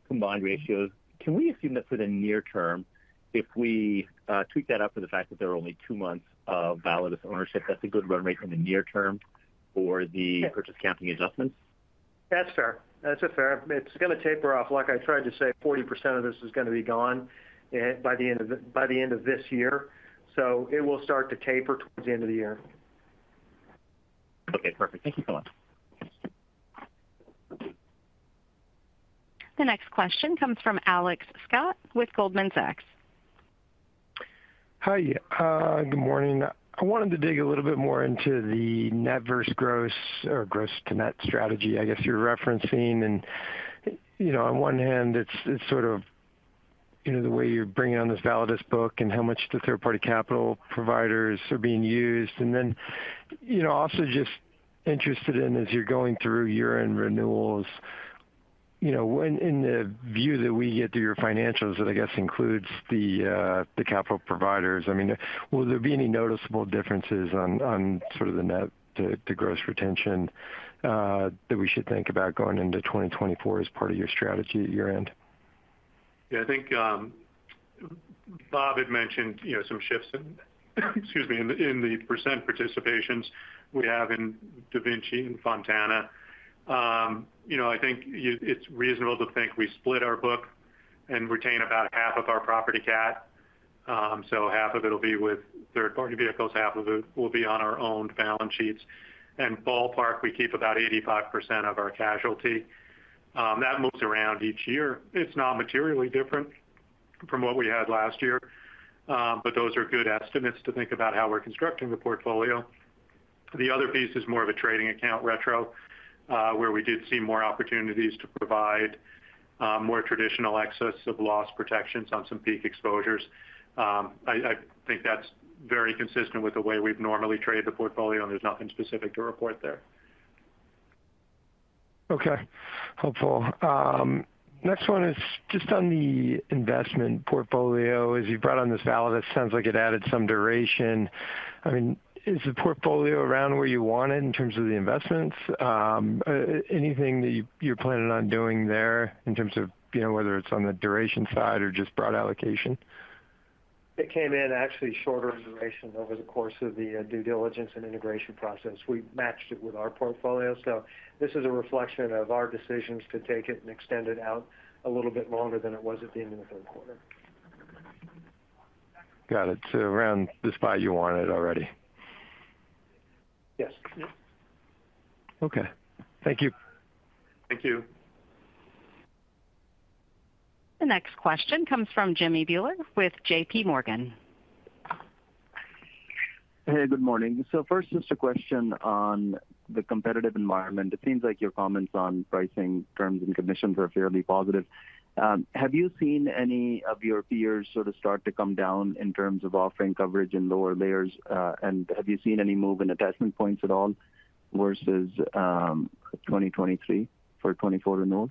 combined ratios. Can we assume that for the near term, if we tweak that up for the fact that there are only two months of Validus ownership, that's a good run rate in the near term for the purchase accounting adjustments? That's fair. That's fair. It's going to taper off. Like I tried to say, 40% of this is going to be gone by the end of this year. So it will start to taper towards the end of the year. Okay, perfect. Thank you so much. The next question comes from Alex Scott with Goldman Sachs. Hi, good morning. I wanted to dig a little bit more into the net versus gross or gross to net strategy, I guess you're referencing. And, you know, on one hand, it's sort of, you know, the way you're bringing on this Validus book and how much the third-party capital providers are being used. And then, you know, also just interested in as you're going through year-end renewals, you know, in the view that we get through your financials, that I guess includes the, the capital providers, I mean, will there be any noticeable differences on, on sort of the net to, to gross retention, that we should think about going into 2024 as part of your strategy at year-end? Yeah, I think, Bob had mentioned, you know, some shifts in, excuse me, in the, in the percent participations we have in DaVinci and Fontana. You know, I think you, it's reasonable to think we split our book and retain about half of our property cat. So half of it will be with third-party vehicles, half of it will be on our own balance sheets. And ballpark, we keep about 85% of our casualty. That moves around each year. It's not materially different from what we had last year, but those are good estimates to think about how we're constructing the portfolio. The other piece is more of a trading account retro, where we did see more opportunities to provide more traditional excess of loss protections on some peak exposures. I think that's very consistent with the way we've normally traded the portfolio, and there's nothing specific to report there. Okay, helpful. Next one is just on the investment portfolio. As you've brought on this Validus, it sounds like it added some duration. I mean, is the portfolio around where you want it in terms of the investments? Anything that you're planning on doing there in terms of, you know, whether it's on the duration side or just broad allocation? It came in actually shorter duration over the course of the due diligence and integration process. We matched it with our portfolio. So this is a reflection of our decisions to take it and extend it out a little bit longer than it was at the end of the third quarter. Got it. So around the spot you want it already? Yes. Okay. Thank you. Thank you. The next question comes from Jimmy Bhullar with JP Morgan. Hey, good morning. So first, just a question on the competitive environment. It seems like your comments on pricing, terms, and conditions are fairly positive. Have you seen any of your peers sort of start to come down in terms of offering coverage in lower layers? And have you seen any move in attachment points at all versus 2023 for 2024 renewals?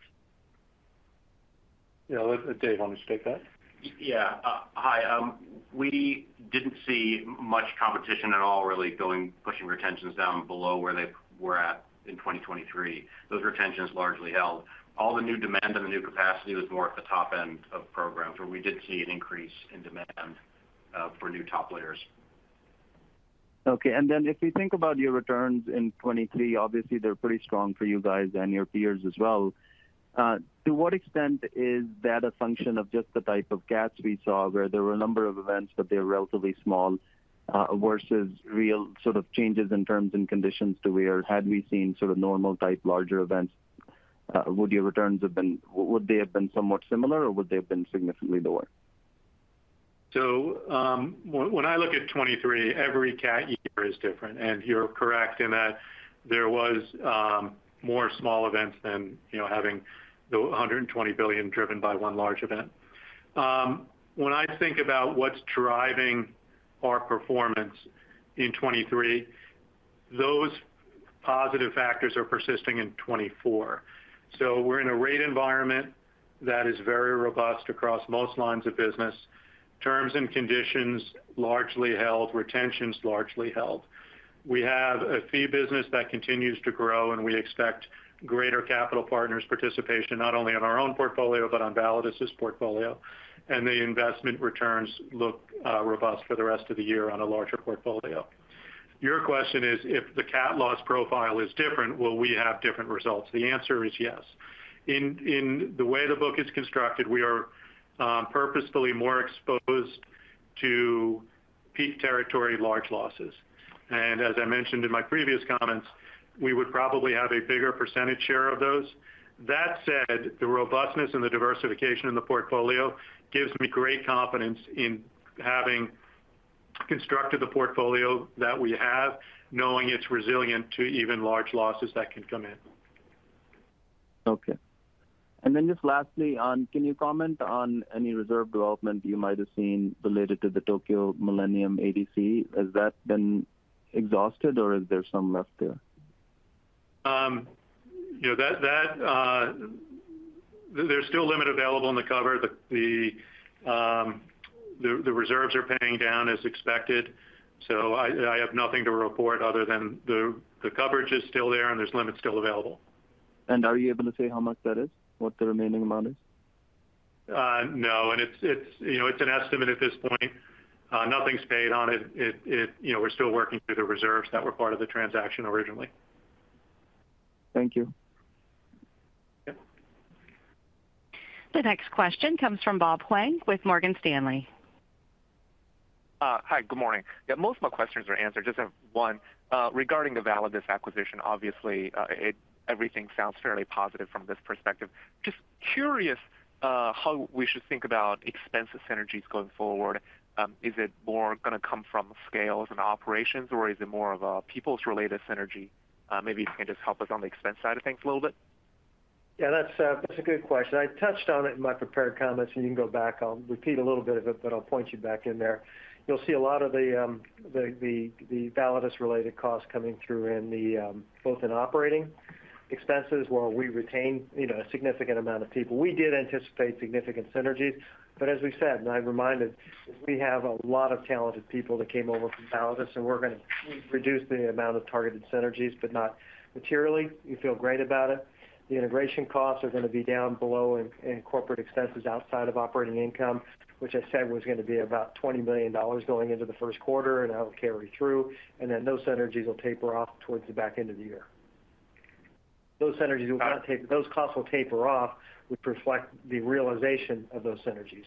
Yeah, Dave, why don't you take that? Yeah. Hi. We didn't see much competition at all, really, going pushing retentions down below where they were at in 2023. Those retentions largely held. All the new demand and the new capacity was more at the top end of programs, where we did see an increase in demand for new top layers. Okay. And then if we think about your returns in 2023, obviously, they're pretty strong for you guys and your peers as well. To what extent is that a function of just the type of cats we saw, where there were a number of events, but they were relatively small, versus real sort of changes in terms and conditions to where had we seen sort of normal type, larger events, would your returns have been somewhat similar, or would they have been significantly lower? So, when I look at 2023, every cat year is different, and you're correct in that there was more small events than, you know, having the $120 billion driven by one large event. When I think about what's driving our performance in 2023, those positive factors are persisting in 2024. So we're in a rate environment that is very robust across most lines of business. Terms and conditions largely held, retentions largely held. We have a fee business that continues to grow, and we expect greater capital partners' participation, not only on our own portfolio, but on Validus' portfolio. And the investment returns look robust for the rest of the year on a larger portfolio. Your question is, if the cat loss profile is different, will we have different results? The answer is yes. In the way the book is constructed, we are purposefully more exposed to peak territory, large losses. As I mentioned in my previous comments, we would probably have a bigger percentage share of those. That said, the robustness and the diversification in the portfolio gives me great confidence in having constructed the portfolio that we have, knowing it's resilient to even large losses that can come in. Okay. Then just lastly, can you comment on any reserve development you might have seen related to the Tokio Millennium ADC? Has that been exhausted, or is there some left there? You know, that there's still limit available in the cover. The reserves are paying down as expected, so I have nothing to report other than the coverage is still there, and there's limits still available. Are you able to say how much that is, what the remaining amount is? No, and it's, you know, an estimate at this point. Nothing's paid on it. It, you know, we're still working through the reserves that were part of the transaction originally. Thank you. Yep. The next question comes from Bob Huang with Morgan Stanley. Hi, good morning. Yeah, most of my questions are answered. Just have one. Regarding the Validus acquisition, obviously, everything sounds fairly positive from this perspective. Just curious, how we should think about expense synergies going forward. Is it more gonna come from scales and operations, or is it more of a people's related synergy? Maybe you can just help us on the expense side of things a little bit. Yeah, that's a good question. I touched on it in my prepared comments. You can go back. I'll repeat a little bit of it, but I'll point you back in there. You'll see a lot of the Validus-related costs coming through in both operating expenses, where we retained, you know, a significant amount of people. We did anticipate significant synergies. But as we said, and I'm reminded, we have a lot of talented people that came over from Validus, and we're going to reduce the amount of targeted synergies, but not materially. We feel great about it. The integration costs are going to be down below in corporate expenses outside of operating income, which I said was going to be about $20 million going into the first quarter, and that will carry through, and then those synergies will taper off towards the back end of the year. Those synergies will not taper. Those costs will taper off, which reflect the realization of those synergies.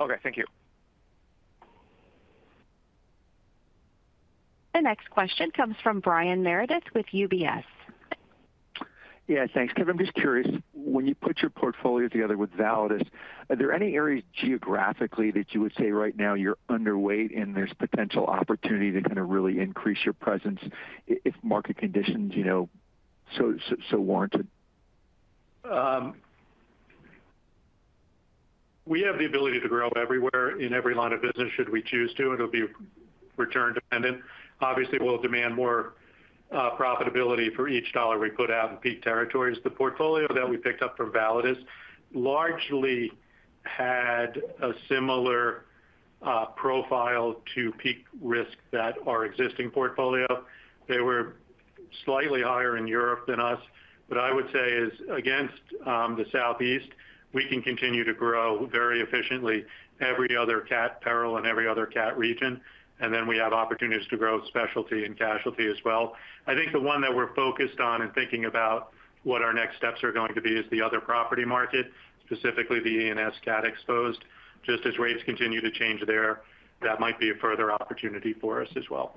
Okay, thank you. The next question comes from Brian Meredith with UBS. Yeah, thanks. Kevin, I'm just curious, when you put your portfolio together with Validus, are there any areas geographically that you would say right now you're underweight, and there's potential opportunity to kind of really increase your presence if market conditions, you know, so warranted? We have the ability to grow everywhere in every line of business, should we choose to, and it'll be return dependent. Obviously, we'll demand more profitability for each dollar we put out in peak territories. The portfolio that we picked up from Validus largely had a similar profile to peak risk that our existing portfolio. They were slightly higher in Europe than us, but I would say is against the Southeast, we can continue to grow very efficiently, every other cat peril in every other cat region, and then we have opportunities to grow specialty and casualty as well. I think the one that we're focused on and thinking about what our next steps are going to be is the other property market, specifically the E&S cat exposed. Just as rates continue to change there, that might be a further opportunity for us as well.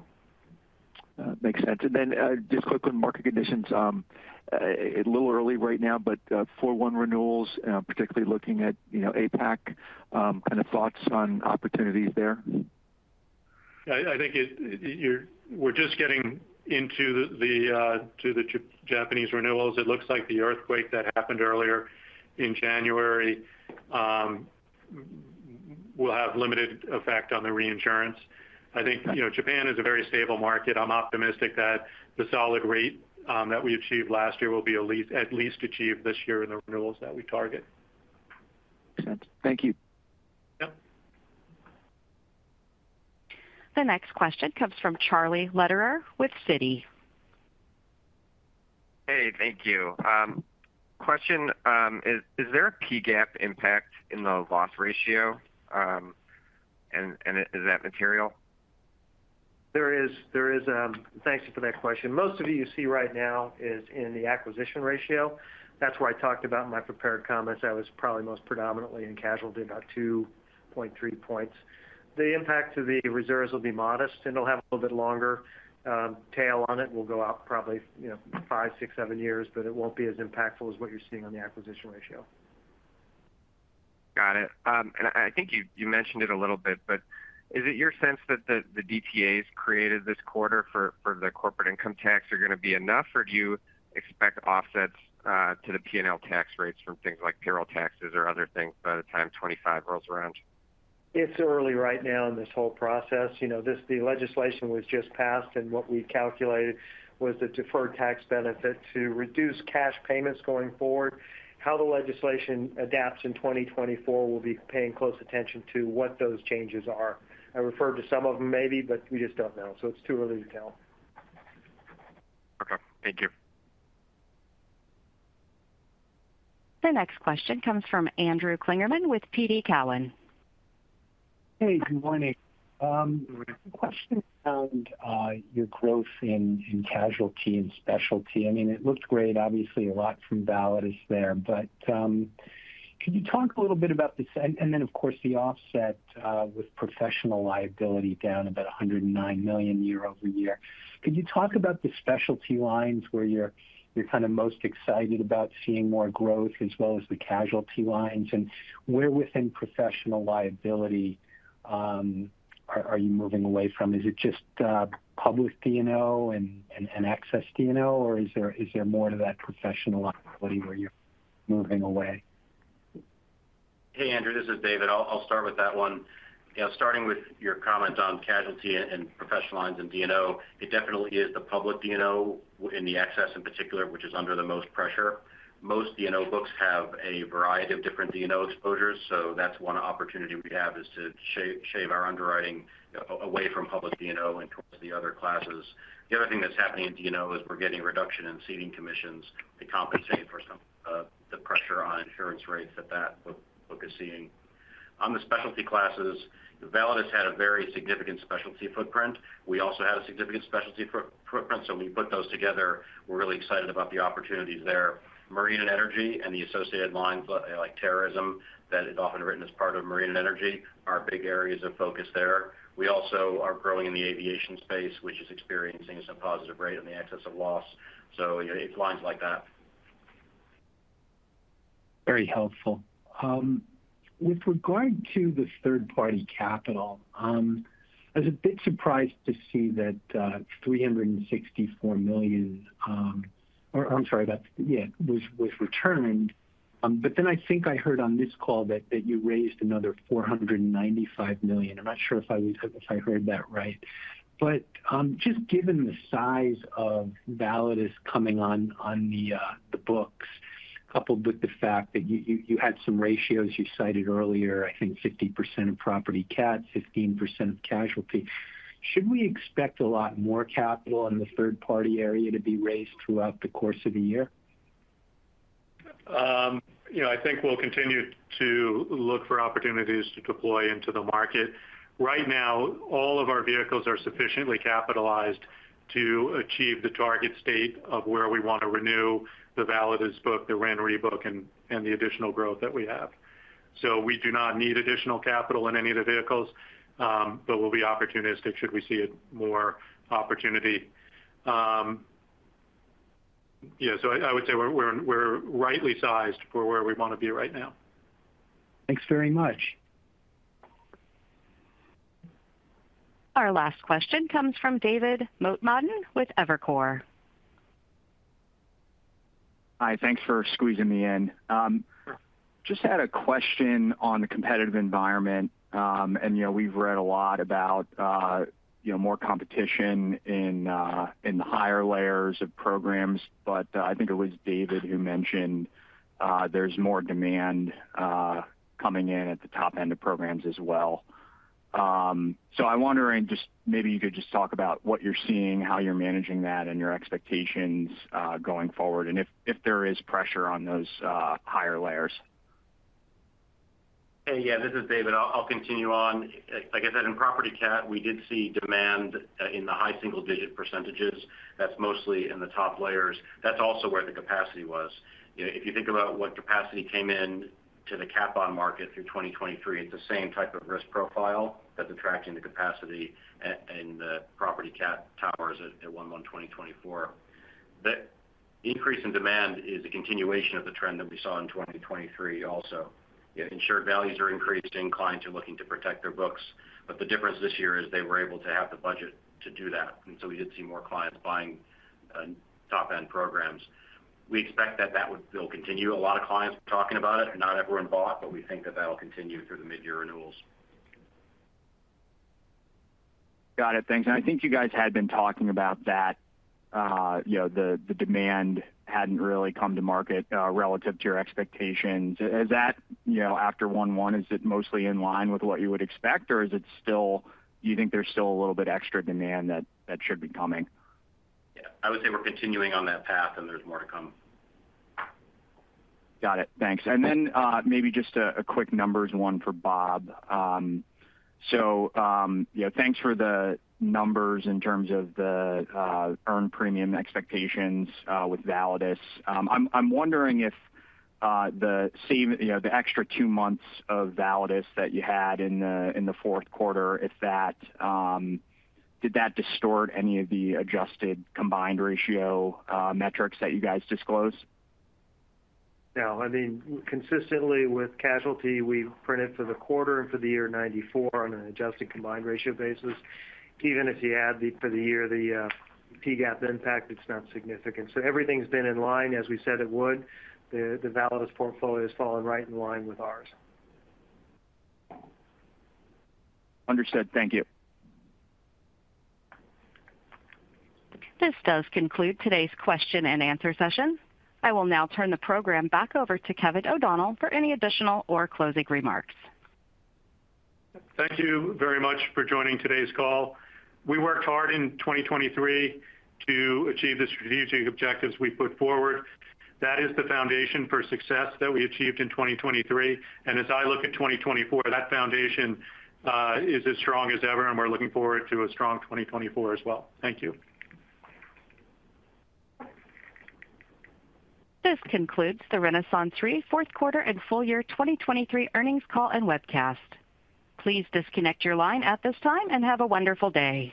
Makes sense. And then, just quickly on market conditions, a little early right now, but, for one, renewals, particularly looking at, you know, APAC, kind of thoughts on opportunities there? I think we're just getting into the Japanese renewals. It looks like the earthquake that happened earlier in January will have limited effect on the reinsurance. I think, you know, Japan is a very stable market. I'm optimistic that the solid rate that we achieved last year will be at least achieved this year in the renewals that we target. Thank you. Yep. The next question comes from Charlie Lederer with Citi. Hey, thank you. Question, is there a PGAAP impact in the loss ratio, and is that material? Thanks for that question. Most of you, you see right now is in the acquisition ratio. That's where I talked about in my prepared comments. That was probably most predominantly in casualty, about 2.3 points. The impact to the reserves will be modest, and it'll have a little bit longer tail on it. We'll go out probably, you know, five, six, seven years, but it won't be as impactful as what you're seeing on the acquisition ratio. Got it. And I think you mentioned it a little bit, but is it your sense that the DTAs created this quarter for the corporate income tax are going to be enough, or do you expect offsets to the P&L tax rates from things like payroll taxes or other things by the time 25 rolls around? It's early right now in this whole process. You know, this, the legislation was just passed, and what we calculated was the deferred tax benefit to reduce cash payments going forward. How the legislation adapts in 2024, we'll be paying close attention to what those changes are. I referred to some of them maybe, but we just don't know, so it's too early to tell. Okay, thank you. The next question comes from Andrew Kligerman with TD Cowen. Hey, good morning. Question around your growth in casualty and specialty. I mean, it looks great. Obviously, a lot from Validus there, but can you talk a little bit about this? And then, of course, the offset with professional liability down about $109 million year-over-year. Could you talk about the specialty lines where you're kind of most excited about seeing more growth as well as the casualty lines, and where within professional liability are you moving away from? Is it just public D&O and excess D&O, or is there more to that professional liability where you're moving away? Hey, Andrew, this is David. I'll start with that one. Yeah, starting with your comment on casualty and professional lines in D&O, it definitely is the public D&O in the excess in particular, which is under the most pressure. Most D&O books have a variety of different D&O exposures, so that's one opportunity we have, is to shave our underwriting away from public D&O and towards the other classes. The other thing that's happening in D&O is we're getting a reduction in ceding commissions to compensate for some of the pressure on insurance rates that that book is seeing. On the specialty classes, Validus had a very significant specialty footprint. We also had a significant specialty footprint, so when we put those together, we're really excited about the opportunities there. Marine and energy and the associated lines, like terrorism, that is often written as part of marine and energy, are big areas of focus there. We also are growing in the aviation space, which is experiencing some positive rate on the excess of loss. So you know, it's lines like that. Very helpful. With regard to the third-party capital, I was a bit surprised to see that $364 million was returned. But then I think I heard on this call that you raised another $495 million. I'm not sure if I heard that right. But just given the size of Validus coming on the books, coupled with the fact that you had some ratios you cited earlier, I think 50% of property cat, 15% of casualty. Should we expect a lot more capital in the third-party area to be raised throughout the course of the year? You know, I think we'll continue to look for opportunities to deploy into the market. Right now, all of our vehicles are sufficiently capitalized to achieve the target state of where we want to renew the Validus book, the RenRe book, and the additional growth that we have. So we do not need additional capital in any of the vehicles, but we'll be opportunistic should we see more opportunity. Yeah, so I would say we're rightly sized for where we want to be right now. Thanks very much. Our last question comes from David Motemaden with Evercore. Hi, thanks for squeezing me in. Sure. Just had a question on the competitive environment. And, you know, we've read a lot about, you know, more competition in, in the higher layers of programs, but, I think it was David who mentioned, there's more demand, coming in at the top end of programs as well. So I'm wondering, just maybe you could just talk about what you're seeing, how you're managing that, and your expectations, going forward, and if, if there is pressure on those, higher layers. Hey, yeah, this is David. I'll continue on. Like I said, in property cat, we did see demand in the high single-digit percentages. That's mostly in the top layers. That's also where the capacity was. You know, if you think about what capacity came in to the cat bond market through 2023, it's the same type of risk profile that's attracting the capacity in the property cat towers at 1/1/2024. The increase in demand is a continuation of the trend that we saw in 2023 also. Insured values are increased, and clients are looking to protect their books, but the difference this year is they were able to have the budget to do that, and so we did see more clients buying top-end programs. We expect that that would still continue. A lot of clients are talking about it, and not everyone bought, but we think that that'll continue through the mid-year renewals. Got it. Thanks. I think you guys had been talking about that, you know, the demand hadn't really come to market relative to your expectations. Is that, you know, after 1/1, is it mostly in line with what you would expect, or is it still, Do you think there's still a little bit extra demand that should be coming? Yeah. I would say we're continuing on that path, and there's more to come. Got it. Thanks. And then, maybe just a quick numbers one for Bob. So, you know, thanks for the numbers in terms of the earned premium expectations with Validus. I'm wondering if the same, you know, the extra two months of Validus that you had in the fourth quarter, if that did that distort any of the adjusted combined ratio metrics that you guys disclosed? No. I mean, consistently with casualty, we've printed for the quarter and for the year 94 on an adjusted combined ratio basis. Even if you add the, for the year, the PGAP impact, it's not significant. So everything's been in line as we said it would. The, the Validus portfolio has fallen right in line with ours. Understood. Thank you. This does conclude today's question and answer session. I will now turn the program back over to Kevin O'Donnell for any additional or closing remarks. Thank you very much for joining today's call. We worked hard in 2023 to achieve the strategic objectives we put forward. That is the foundation for success that we achieved in 2023, and as I look at 2024, that foundation is as strong as ever, and we're looking forward to a strong 2024 as well. Thank you. This concludes the RenaissanceRe third and fourth quarter and full year 2023 earnings call and webcast. Please disconnect your line at this time and have a wonderful day.